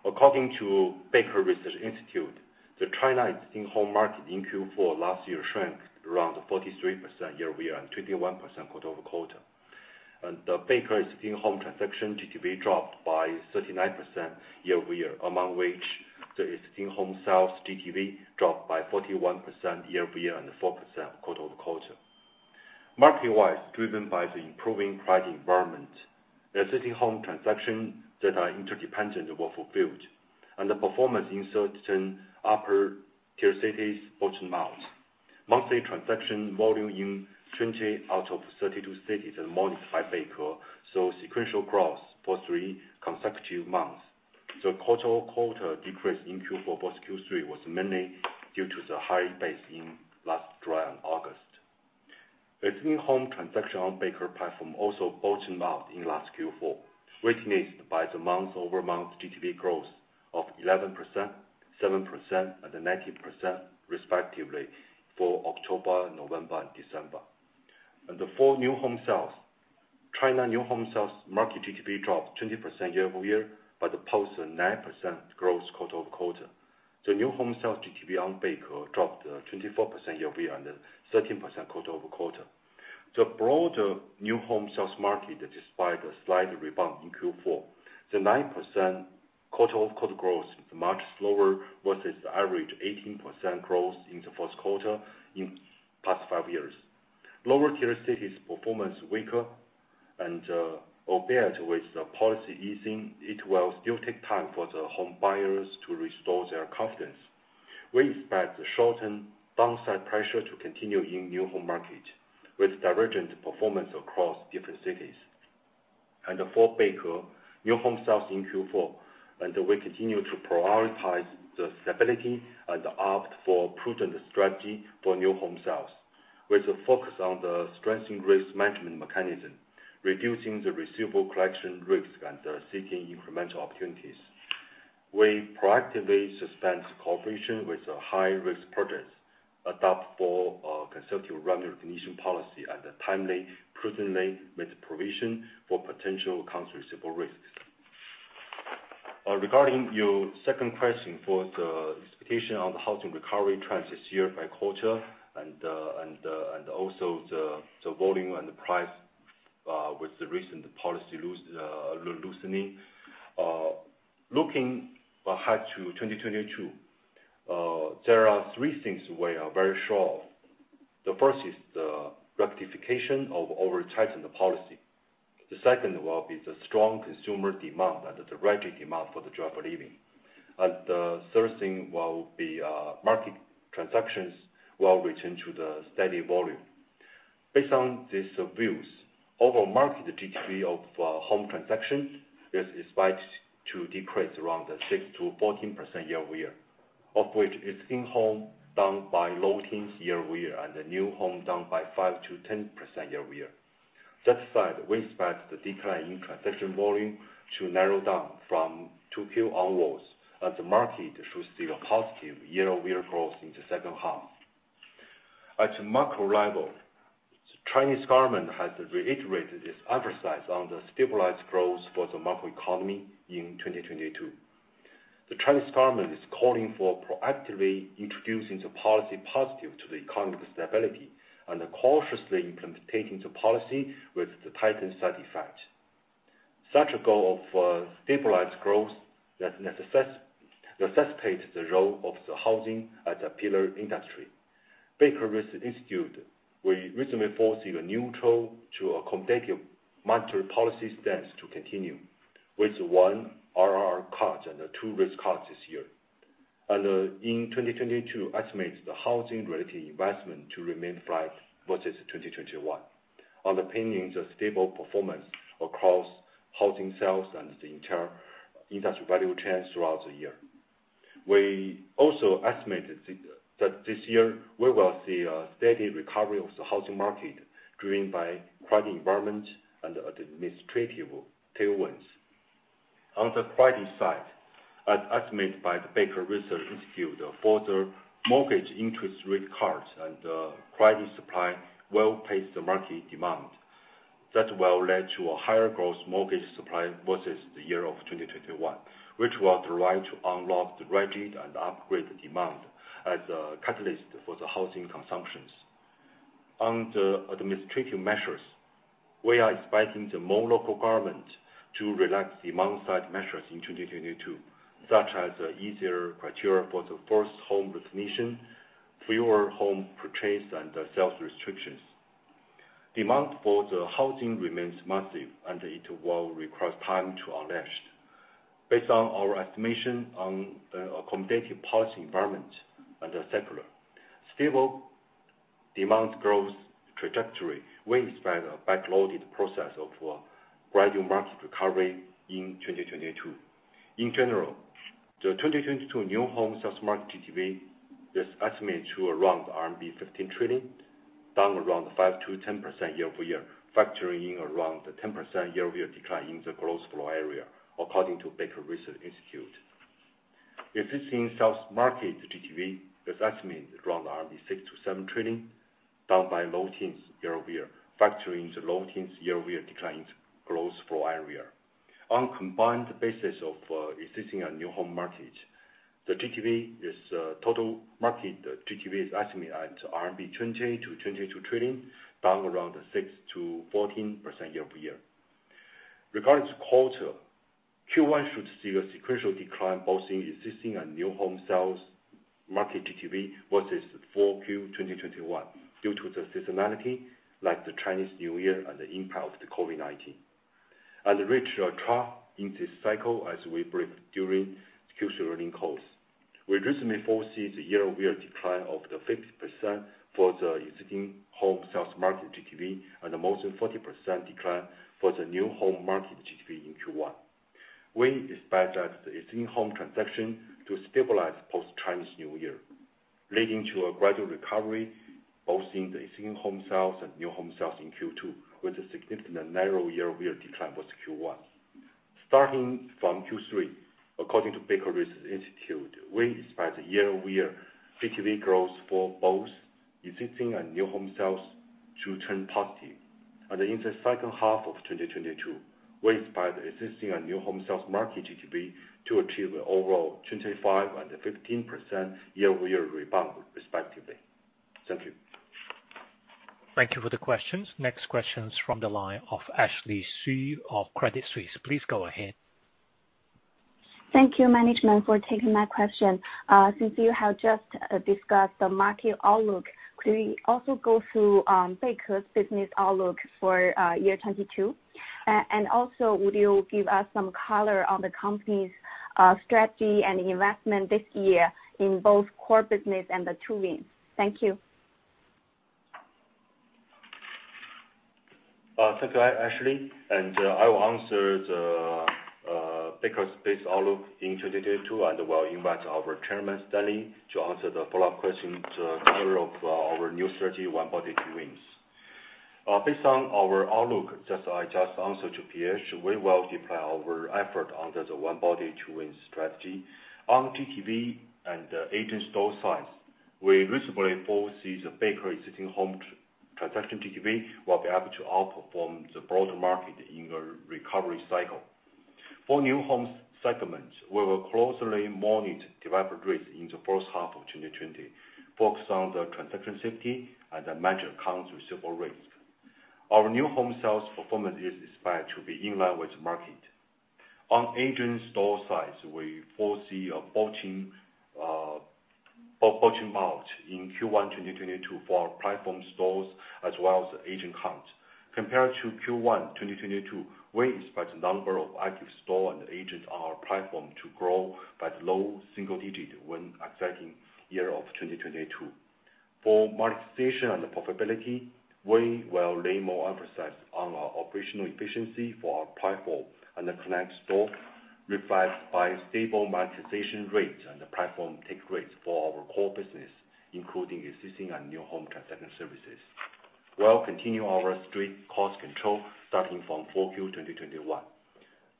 According to Beike Research Institute, China's existing home market in Q4 last year shrank around 43% year-over-year and 21% quarter-over-quarter. The Beike existing home transaction GTV dropped by 39% year-over-year, among which the existing home sales GTV dropped by 41% year-over-year and 4% quarter-over-quarter. Market-wise, driven by the improving credit environment, the existing home transactions that are inventory-dependent were fulfilled, and the performance in certain upper-tier cities bottomed out. Monthly transaction volume in 20 out of 32 cities as monitored by Beike saw sequential growth for 3 consecutive months. The quarter-over-quarter decrease in Q4 versus Q3 was mainly due to the high base in last July and August. The existing home transaction on Beike platform also bottomed out in last Q4, witnessed by the month-over-month GTV growth of 11%, 7%, and 19%, respectively for October, November, and December. For new home sales, China new home sales market GTV dropped 20% year-over-year, but posted 9% growth quarter-over-quarter. The new home sales GTV on Beike dropped 24% year-over-year and 13% quarter-over-quarter. The broader new home sales market, despite a slight rebound in Q4, the 9% quarter-over-quarter growth is much slower versus the average 18% growth in the first quarter in past 5 years. Lower-tier cities performance weaker, albeit with the policy easing, it will still take time for the home buyers to restore their confidence. We expect the sustained downside pressure to continue in new home market with divergent performance across different cities. For Beike, new home sales in Q4, and we continue to prioritize the stability and opt for a prudent strategy for new home sales, with a focus on the strengthening risk management mechanism, reducing the receivable collection risks, and seeking incremental opportunities. We proactively suspend cooperation with the high-risk projects, adopt for a conservative revenue recognition policy, and a timely prudently made provision for potential account receivable risks. Regarding your second question for the expectation on the housing recovery trends this year by quarter and also the volume and the price with the recent policy loosening. Looking ahead to 2022, there are three things we are very sure of. The first is the rectification of overtightened policy. The second will be the strong consumer demand and the direct demand for the home living. The third thing will be market transactions will return to the steady volume. Based on these views, overall market GTV of home transaction is expected to decrease around 6%-14% year-over-year, of which existing home down by low teens year-over-year and the new home down by 5%-10% year-over-year. That said, we expect the decline in transaction volume to narrow down from 2Q onwards, and the market should see a positive year-over-year growth in the second half. At a macro level, the Chinese government has reiterated its emphasis on the stabilized growth for the macroeconomy in 2022. The Chinese government is calling for proactively introducing policies positive to the economic stability and cautiously implementing policies with the tightened side effects. Such a goal of stabilized growth that necessitates the role of the housing as a pillar industry. Beike Research Institute, we recently foresee the neutral to accommodative monetary policy stance to continue with 1 RRR cut and 2 LPR cuts this year. In 2022, estimates the housing-related investment to remain flat versus 2021, underpinning the stable performance across housing sales and the entire industry value chain throughout the year. We also estimated that this year we will see a steady recovery of the housing market driven by credit environment and administrative tailwinds. On the credit side, as estimated by the Beike Research Institute, further mortgage interest rate cuts and credit supply will pace the market demand. That will lead to a higher gross mortgage supply versus the year of 2021, which will drive to unlock the rigid and upgraded demand as a catalyst for the housing consumptions. On the administrative measures, we are expecting more local government to relax the demand-side measures in 2022, such as easier criteria for the first home recognition, fewer home purchase and sales restrictions. Demand for the housing remains massive, and it will require time to unleash. Based on our estimation on, accommodative policy environment and a secular stable demand growth trajectory, we expect a backloaded process of a gradual market recovery in 2022. In general, the 2022 new home sales market GTV is estimated at around RMB 15 trillion, down around 5%-10% year-over-year, factoring in around the 10% year-over-year decline in the gross floor area according to Beike Research Institute. Existing sales market GTV is estimated at around RMB 6-7 trillion, down by low teens% year-over-year, factoring the low teens% year-over-year decline in gross floor area. On combined basis of existing and new home market, the total market GTV is estimated at RMB 20-22 trillion, down around 6%-14% year-over-year. Regarding this quarter, Q1 should see a sequential decline both in existing and new home sales market GTV versus Q4 2021 due to the seasonality, like the Chinese New Year and the impact of the COVID-19, and reach a trough in this cycle as we briefed during Q4 earnings calls. We recently foresee the year-over-year decline of the 50% for the existing home sales market GTV and almost 40% decline for the new home market GTV in Q1. We expect that the existing home transaction to stabilize post-Chinese New Year, leading to a gradual recovery both in the existing home sales and new home sales in Q2, with a significantly narrower year-over-year decline versus Q1. Starting from Q3, according to Beike Research Institute, we expect the year-over-year GTV growth for both existing and new home sales to turn positive. In the second half of 2022, we expect existing and new home sales market GTV to achieve an overall 25% and 15% year-over-year rebound respectively. Thank you. Thank you for the questions. Next question is from the line of Ashley Xu of Credit Suisse. Please go ahead. Thank you, management, for taking my question. Since you have just discussed the market outlook, could we also go through Beike's business outlook for year 2022? Also, would you give us some color on the company's strategy and investment this year in both core business and the Two Wings? Thank you. Thank you, Ashley, and I will answer Beike's business outlook in 2022, and will invite our Chairman Stanley to answer the follow-up question, the color of our new strategy, One Body, Two Wings. Based on our outlook, just as I answered to PH, we will deploy our effort under the One Body, Two Wings strategy. On GTV and agent store sides, we reasonably foresee the Beike existing home transaction GTV will be able to outperform the broader market in the recovery cycle. For new homes segments, we will closely monitor developer rates in the first half of 2022, focus on the transaction safety and manage accounts receivable rates. Our new home sales performance is expected to be in line with the market. On the agent and store sides, we foresee a 14% month-on-month in Q1 2022 for our platform stores, as well as agent count. Compared to Q1 2021, we expect the number of active stores and agents on our platform to grow by low single digits in 2022. For monetization and profitability, we will lay more emphasis on our operational efficiency for our platform and connected stores, realized by stable monetization rates and the platform take rates for our core business, including existing and new home transaction services. We'll continue our strict cost control starting from 4Q 2021.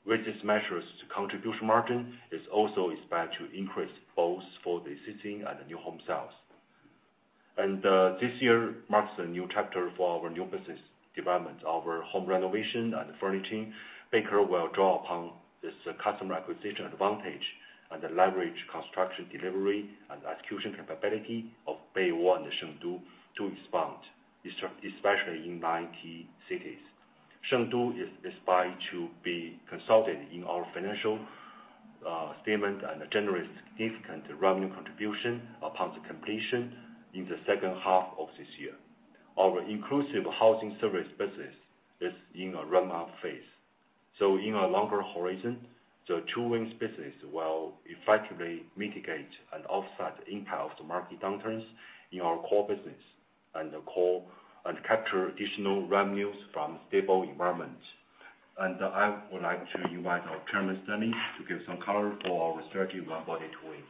With these measures, the contribution margin is also expected to increase both for the existing and the new home sales. This year marks a new chapter for our new business development. Our home renovation and furnishing, Beike will draw upon this customer acquisition advantage and leverage construction delivery and execution capability of Beiwoo and Shengdu to expand, especially in nine key cities. Shengdu is expected to be consolidated in our financial statement and generate significant revenue contribution upon the completion in the second half of this year. Our inclusive housing service business is in a ramp-up phase. In a longer horizon, the Two Wings business will effectively mitigate and offset the impact of the market downturns in our core business, and capture additional revenues from stable environments. I would like to invite our Chairman Stanley Peng to give some color for our strategy One Body, Two Wings.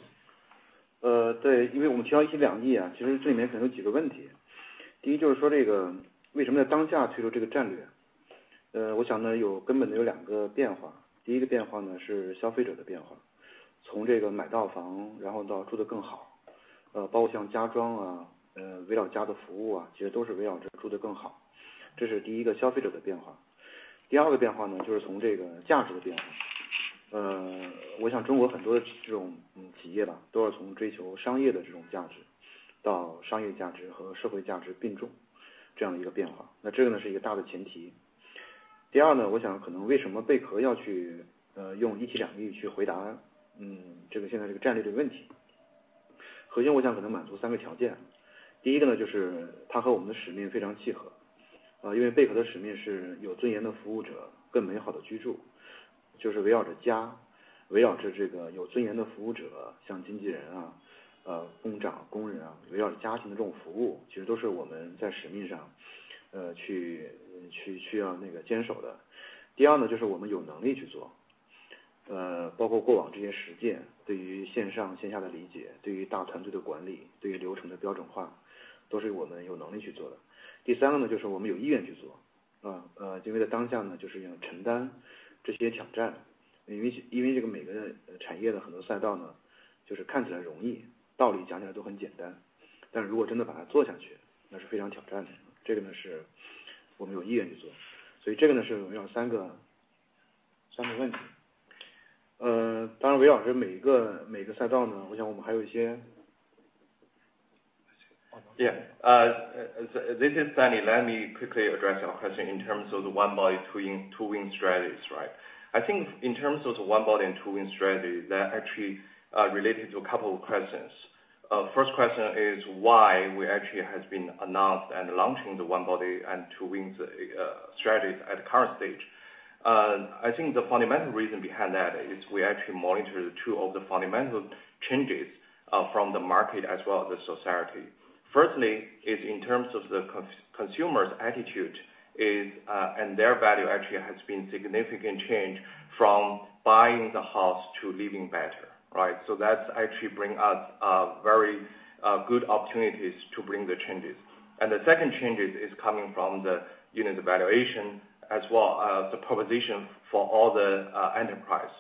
Yeah. This is Stanley. Let me quickly address your question in terms of the One Body, Two Wings strategies, right? I think in terms of the One Body and Two Wings strategy, that actually related to a couple of questions. First question is why we actually has been announced and launching the One Body and Two Wings strategy at current stage. I think the fundamental reason behind that is we actually monitor the two of the fundamental changes from the market as well as the society. Firstly is in terms of the consumer's attitude is and their value actually has been significant change from buying the house to living better, right? That's actually bring us very good opportunities to bring the changes. The second changes is coming from the, you know, the valuation as well as the proposition for all the enterprise.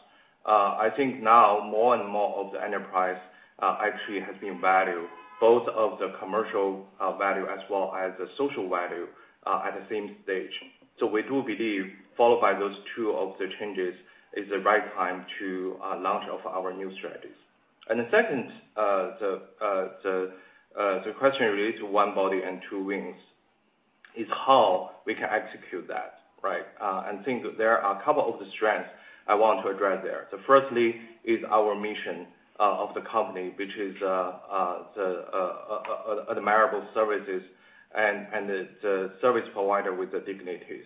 I think now more and more of the enterprise actually has been valued both of the commercial value as well as the social value at the same stage. We do believe followed by those two of the changes is the right time to launch of our new strategies. The second question related to One Body, Two Wings is how we can execute that, right? I think that there are a couple of strengths I want to address there. First is our mission of the company, which is the admirable services and the service provider with the dignity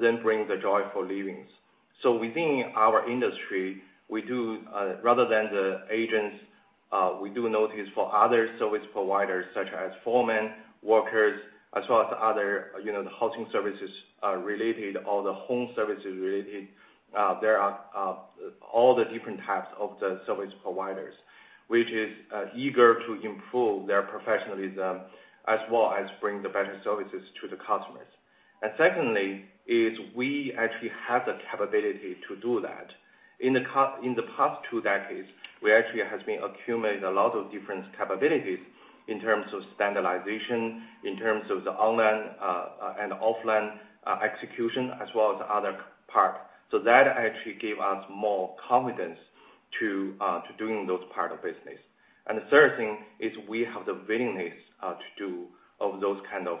then bring the joyful living. Within our industry, rather than the agents, we do notice for other service providers such as foreman, workers, as well as other, you know, the housing services related or the home services related. There are all the different types of the service providers, which is eager to improve their professionalism as well as bring the better services to the customers. Secondly is we actually have the capability to do that. In the past two decades, we actually has been accumulating a lot of different capabilities in terms of standardization, in terms of the online and offline execution, as well as other part. That actually gave us more confidence to doing those part of business. The third thing is we have the willingness to do of those kind of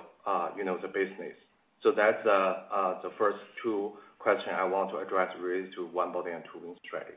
you know the business. That's the first two question I want to address related to One Body, Two Wings strategy.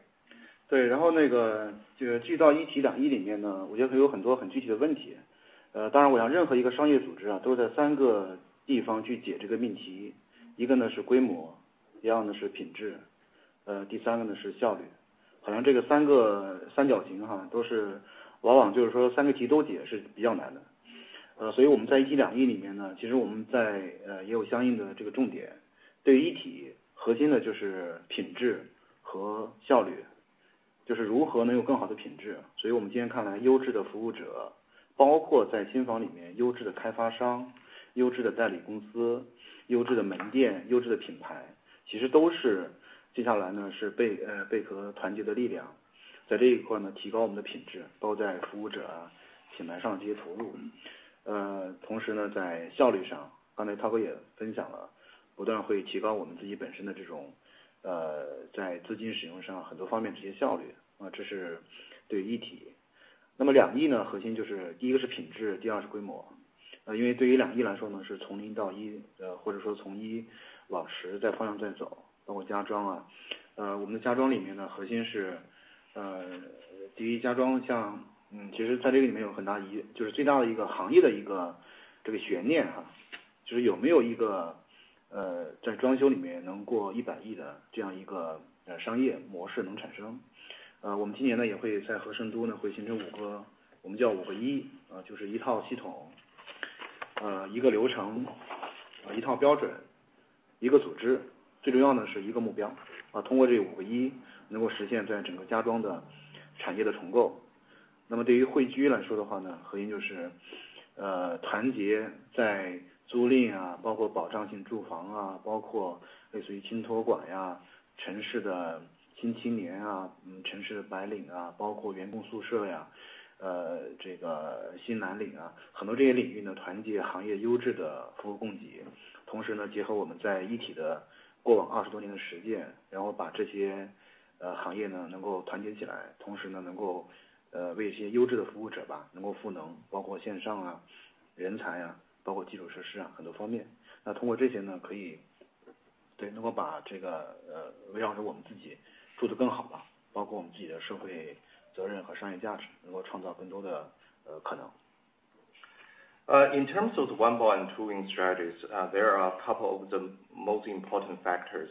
In terms of the One Body, Two Wings strategies, there are a couple of the most important factors,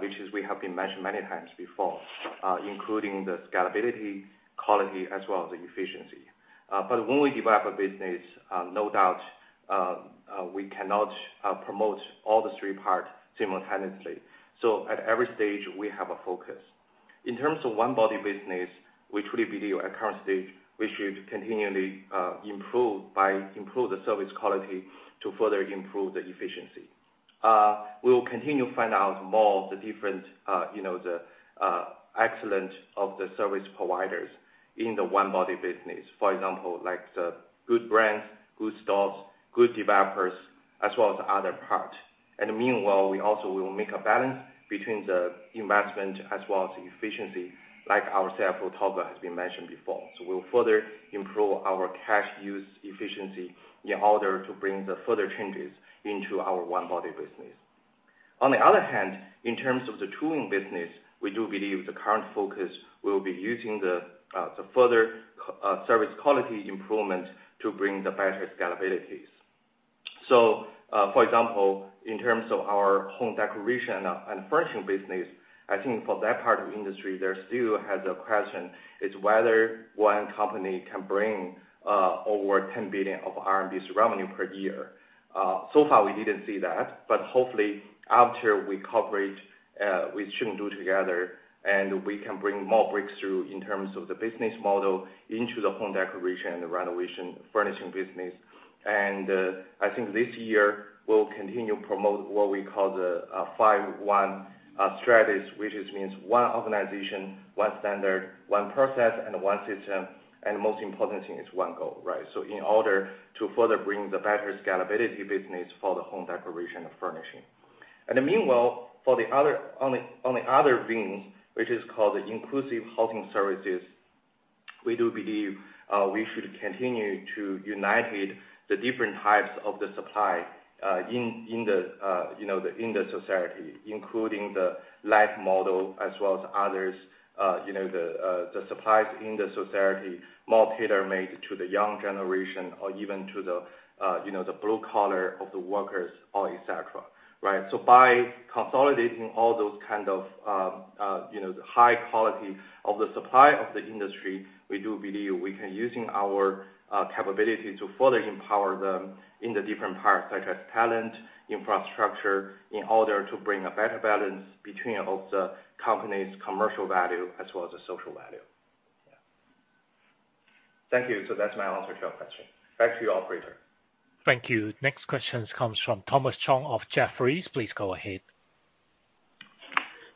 which we have mentioned many times before, including the scalability, quality as well as the efficiency. When we develop a business, no doubt, we cannot promote all the three parts simultaneously. At every stage we have a focus. In terms of One Body business, which we believe at current stage we should continually improve by improving the service quality to further improve the efficiency. We will continue to find out more about the different, you know, excellent service providers in the One Body business, for example, like the good brands, good stores, good developers as well as other parts. Meanwhile, we also will make a balance between the investment as well as efficiency as our CFO Tao Xu has mentioned before. We'll further improve our cash use efficiency in order to bring the further changes into our One Body business. On the other hand, in terms of the Two Wings business, we do believe the current focus will be using the further service quality improvement to bring the better scalability. For example, in terms of our home decoration and furnishing business, I think for that part of industry, there still has a question is whether one company can bring over 10 billion RMB revenue per year. So far we didn't see that, but hopefully after we cooperate, we should do together, and we can bring more breakthrough in terms of the business model into the home decoration and renovation furnishing business. I think this year we'll continue promote what we call the five one strategies, which means one organization, one standard, one process, and one system. Most importantly is one goal, right? In order to further bring the better scalability business for the home decoration and furnishing. Meanwhile, for the other, on the other wing, which is called the inclusive housing services, we do believe we should continue to unite the different types of the supply in the society, including the life model as well as others, you know, the supplies in the society more tailor-made to the young generation, or even to you know, the blue-collar workers or etc. Right? By consolidating all those kind of, you know, the high quality of the supply of the industry, we do believe we can, using our capability to further empower them in the different parts, such as talent, infrastructure, in order to bring a better balance between the company's commercial value as well as the social value. Yeah. Thank you. That's my answer to your question. Back to you, operator. Thank you. Next question comes from Thomas Chong of Jefferies. Please go ahead.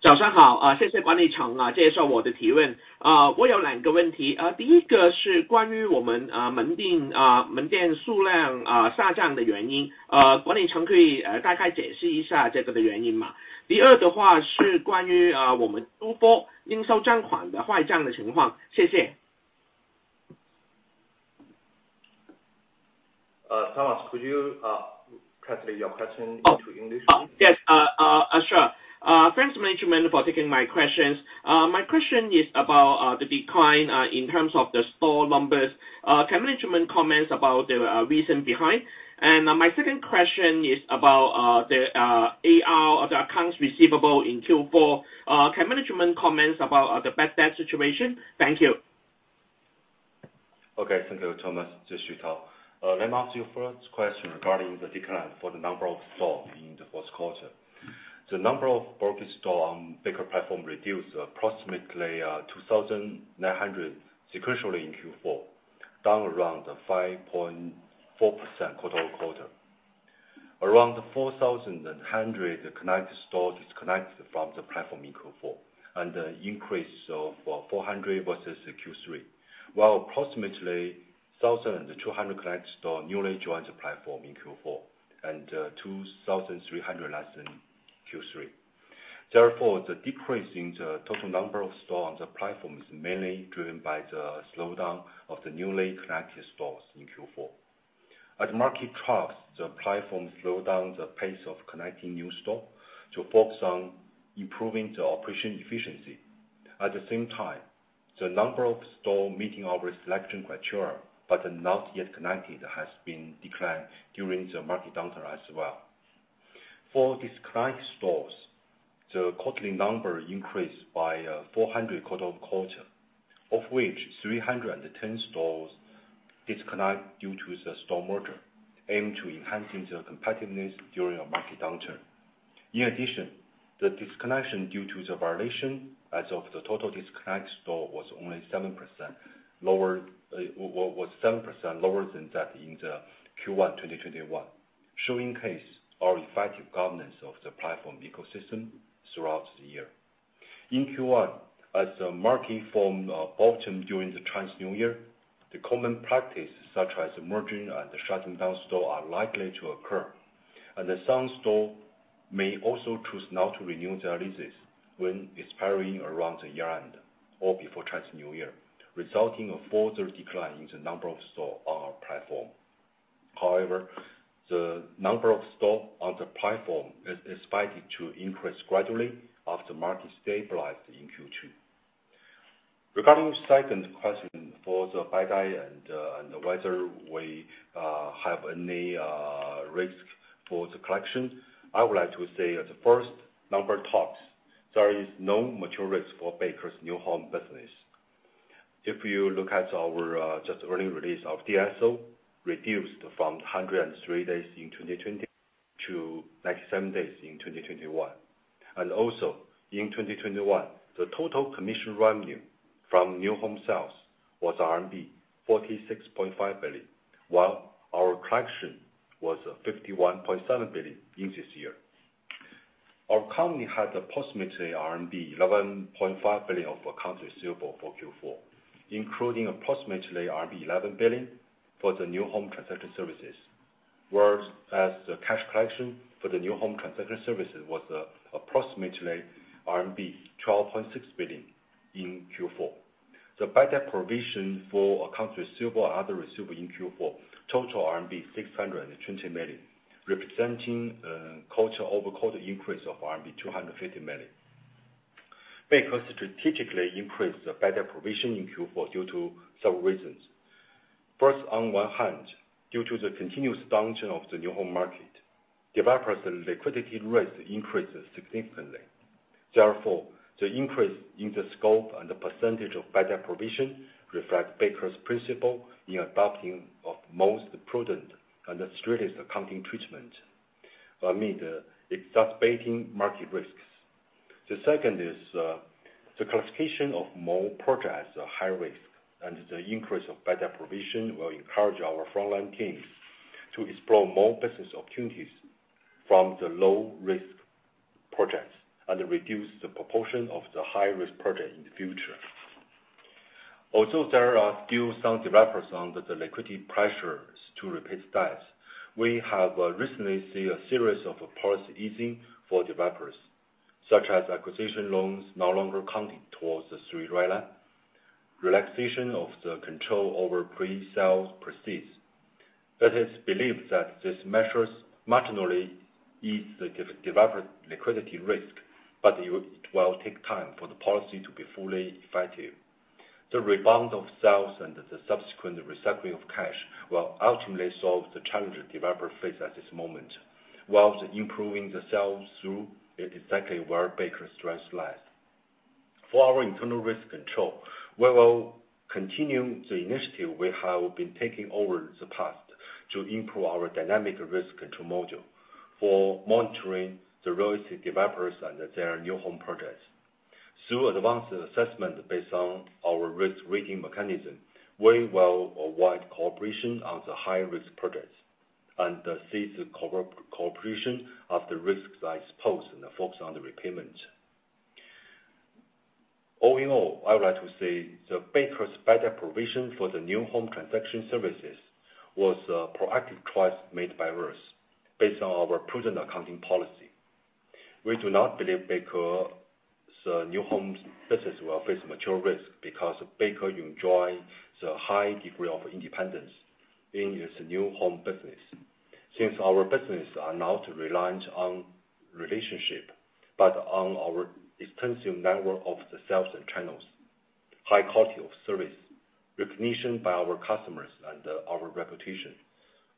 早上好，谢谢管理层接受我的提问。我有两个问题，第一个是关于我们门店数量下降的原因，管理层可以大概解释一下这个的原因吗？第二的话是关于我们 Q4 应收账款的坏账的情况。谢谢。Thomas, could you translate your question into English? Yes, sure. Thanks management for taking my questions. My question is about the decline in terms of the store numbers. Can management comments about the reason behind? My second question is about the AR, the accounts receivable in Q4. Can management comments about the bad debt situation? Thank you. Okay. Thank you, Thomas. This is Tao Xu. Let me ask you the first question regarding the decline in the number of stores in the fourth quarter. The number of broker stores on Beike platform reduced approximately 2,900 sequentially in Q4, down around 5.4% quarter-over-quarter. Around 4,100 connected stores disconnected from the platform in Q4, and an increase of 400 versus Q3, while approximately 1,200 connected stores newly joined the platform in Q4, 2,300 less than Q3. Therefore, the decrease in the total number of stores on the platform is mainly driven by the slowdown of the newly connected stores in Q4. As the market drops, the platform slowed down the pace of connecting new stores to focus on improving the operational efficiency. At the same time, the number of stores meeting our selection criteria but are not yet connected has declined during the market downturn as well. For disconnected stores, the quarterly number increased by 400 quarter-over-quarter, of which 310 stores disconnected due to the store merger, aimed at enhancing the competitiveness during a market downturn. In addition, the disconnection due to the violation as a percentage of the total disconnected stores was only 7% lower than that in Q1 2021, showing our effective governance of the platform ecosystem throughout the year. In Q1, as the market bottomed during the Chinese New Year, the common practice such as merging and shutting down stores is likely to occur. Some stores may also choose not to renew their leases when expiring around the year-end or before Chinese New Year, resulting in a further decline in the number of stores on our platform. However, the number of stores on the platform is expected to increase gradually after market stabilized in Q2. Regarding the second question for the bad debt and whether we have any risk for the collection, I would like to say as a first, number tops, there is no material risk for Beike's new home business. If you look at our just earnings release of DSO, reduced from 103 days in 2020 to 97 days in 2021. In 2021, the total commission revenue from new home sales was RMB 46.5 billion, while our collection was 51.7 billion in this year. Our company had approximately RMB 11.5 billion of accounts receivable for Q4, including approximately RMB 11 billion for the new home transaction services. Whereas the cash collection for the new home transaction services was approximately RMB 12.6 billion in Q4. The bad debt provision for accounts receivable and other receivable in Q4 total RMB 620 million, representing quarter-over-quarter increase of RMB 250 million. Beike strategically increased the bad debt provision in Q4 due to several reasons. First, on one hand, due to the continuous downturn of the new home market, developers' liquidity risk increased significantly. Therefore, the increase in the scope and the percentage of bad debt provision reflect Beike's principle in adopting the most prudent and the strictest accounting treatment amid exacerbating market risks. The second is the classification of more projects as high risk, and the increase of bad debt provision will encourage our frontline teams to explore more business opportunities from the low-risk projects, and reduce the proportion of the high-risk project in the future. Although there are still some developers under the liquidity pressures to repay debts, we have recently seen a series of easing policies for developers, such as acquisition loans no longer counting towards the Three Red Lines, relaxation of the control over pre-sale proceeds. It is believed that these measures marginally ease the developer liquidity risk, but it will take time for the policy to be fully effective. The rebound of sales and the subsequent receiving of cash will ultimately solve the challenges developers face at this moment, while improving the sales throughput is exactly where Beike's strength lies. For our internal risk control, we will continue the initiative we have been taking over the past to improve our dynamic risk control module for monitoring the real estate developers and their new home projects. Through advanced assessment based on our risk weighting mechanism, we will avoid cooperation on the high-risk projects and cease cooperation of the risks exposed and focus on the repayment. All in all, I would like to say Beike's bad debt provision for the new home transaction services was a proactive choice made by risk based on our prudent accounting policy. We do not believe Beike's new homes business will face material risk because Beike enjoy the high degree of independence in its new home business. Since our business are not reliant on relationship, but on our extensive network of the sales and channels, high quality of service, recognition by our customers and our reputation.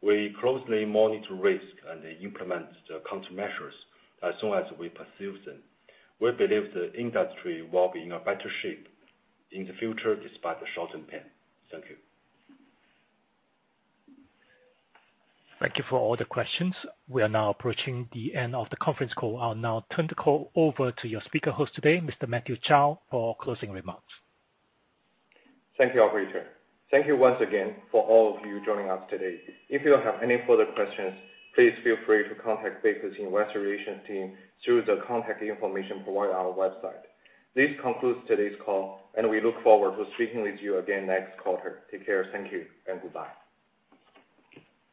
We closely monitor risk and implement the countermeasures as soon as we perceive them. We believe the industry will be in a better shape in the future despite the short-term pain. Thank you. Thank you for all the questions. We are now approaching the end of the conference call. I'll now turn the call over to your speaker host today, Mr. Matthew Zhao, for closing remarks. Thank you, operator. Thank you once again for all of you joining us today. If you have any further questions, please feel free to contact Beike's investor relations team through the contact information provided on our website. This concludes today's call, and we look forward to speaking with you again next quarter. Take care. Thank you, and goodbye.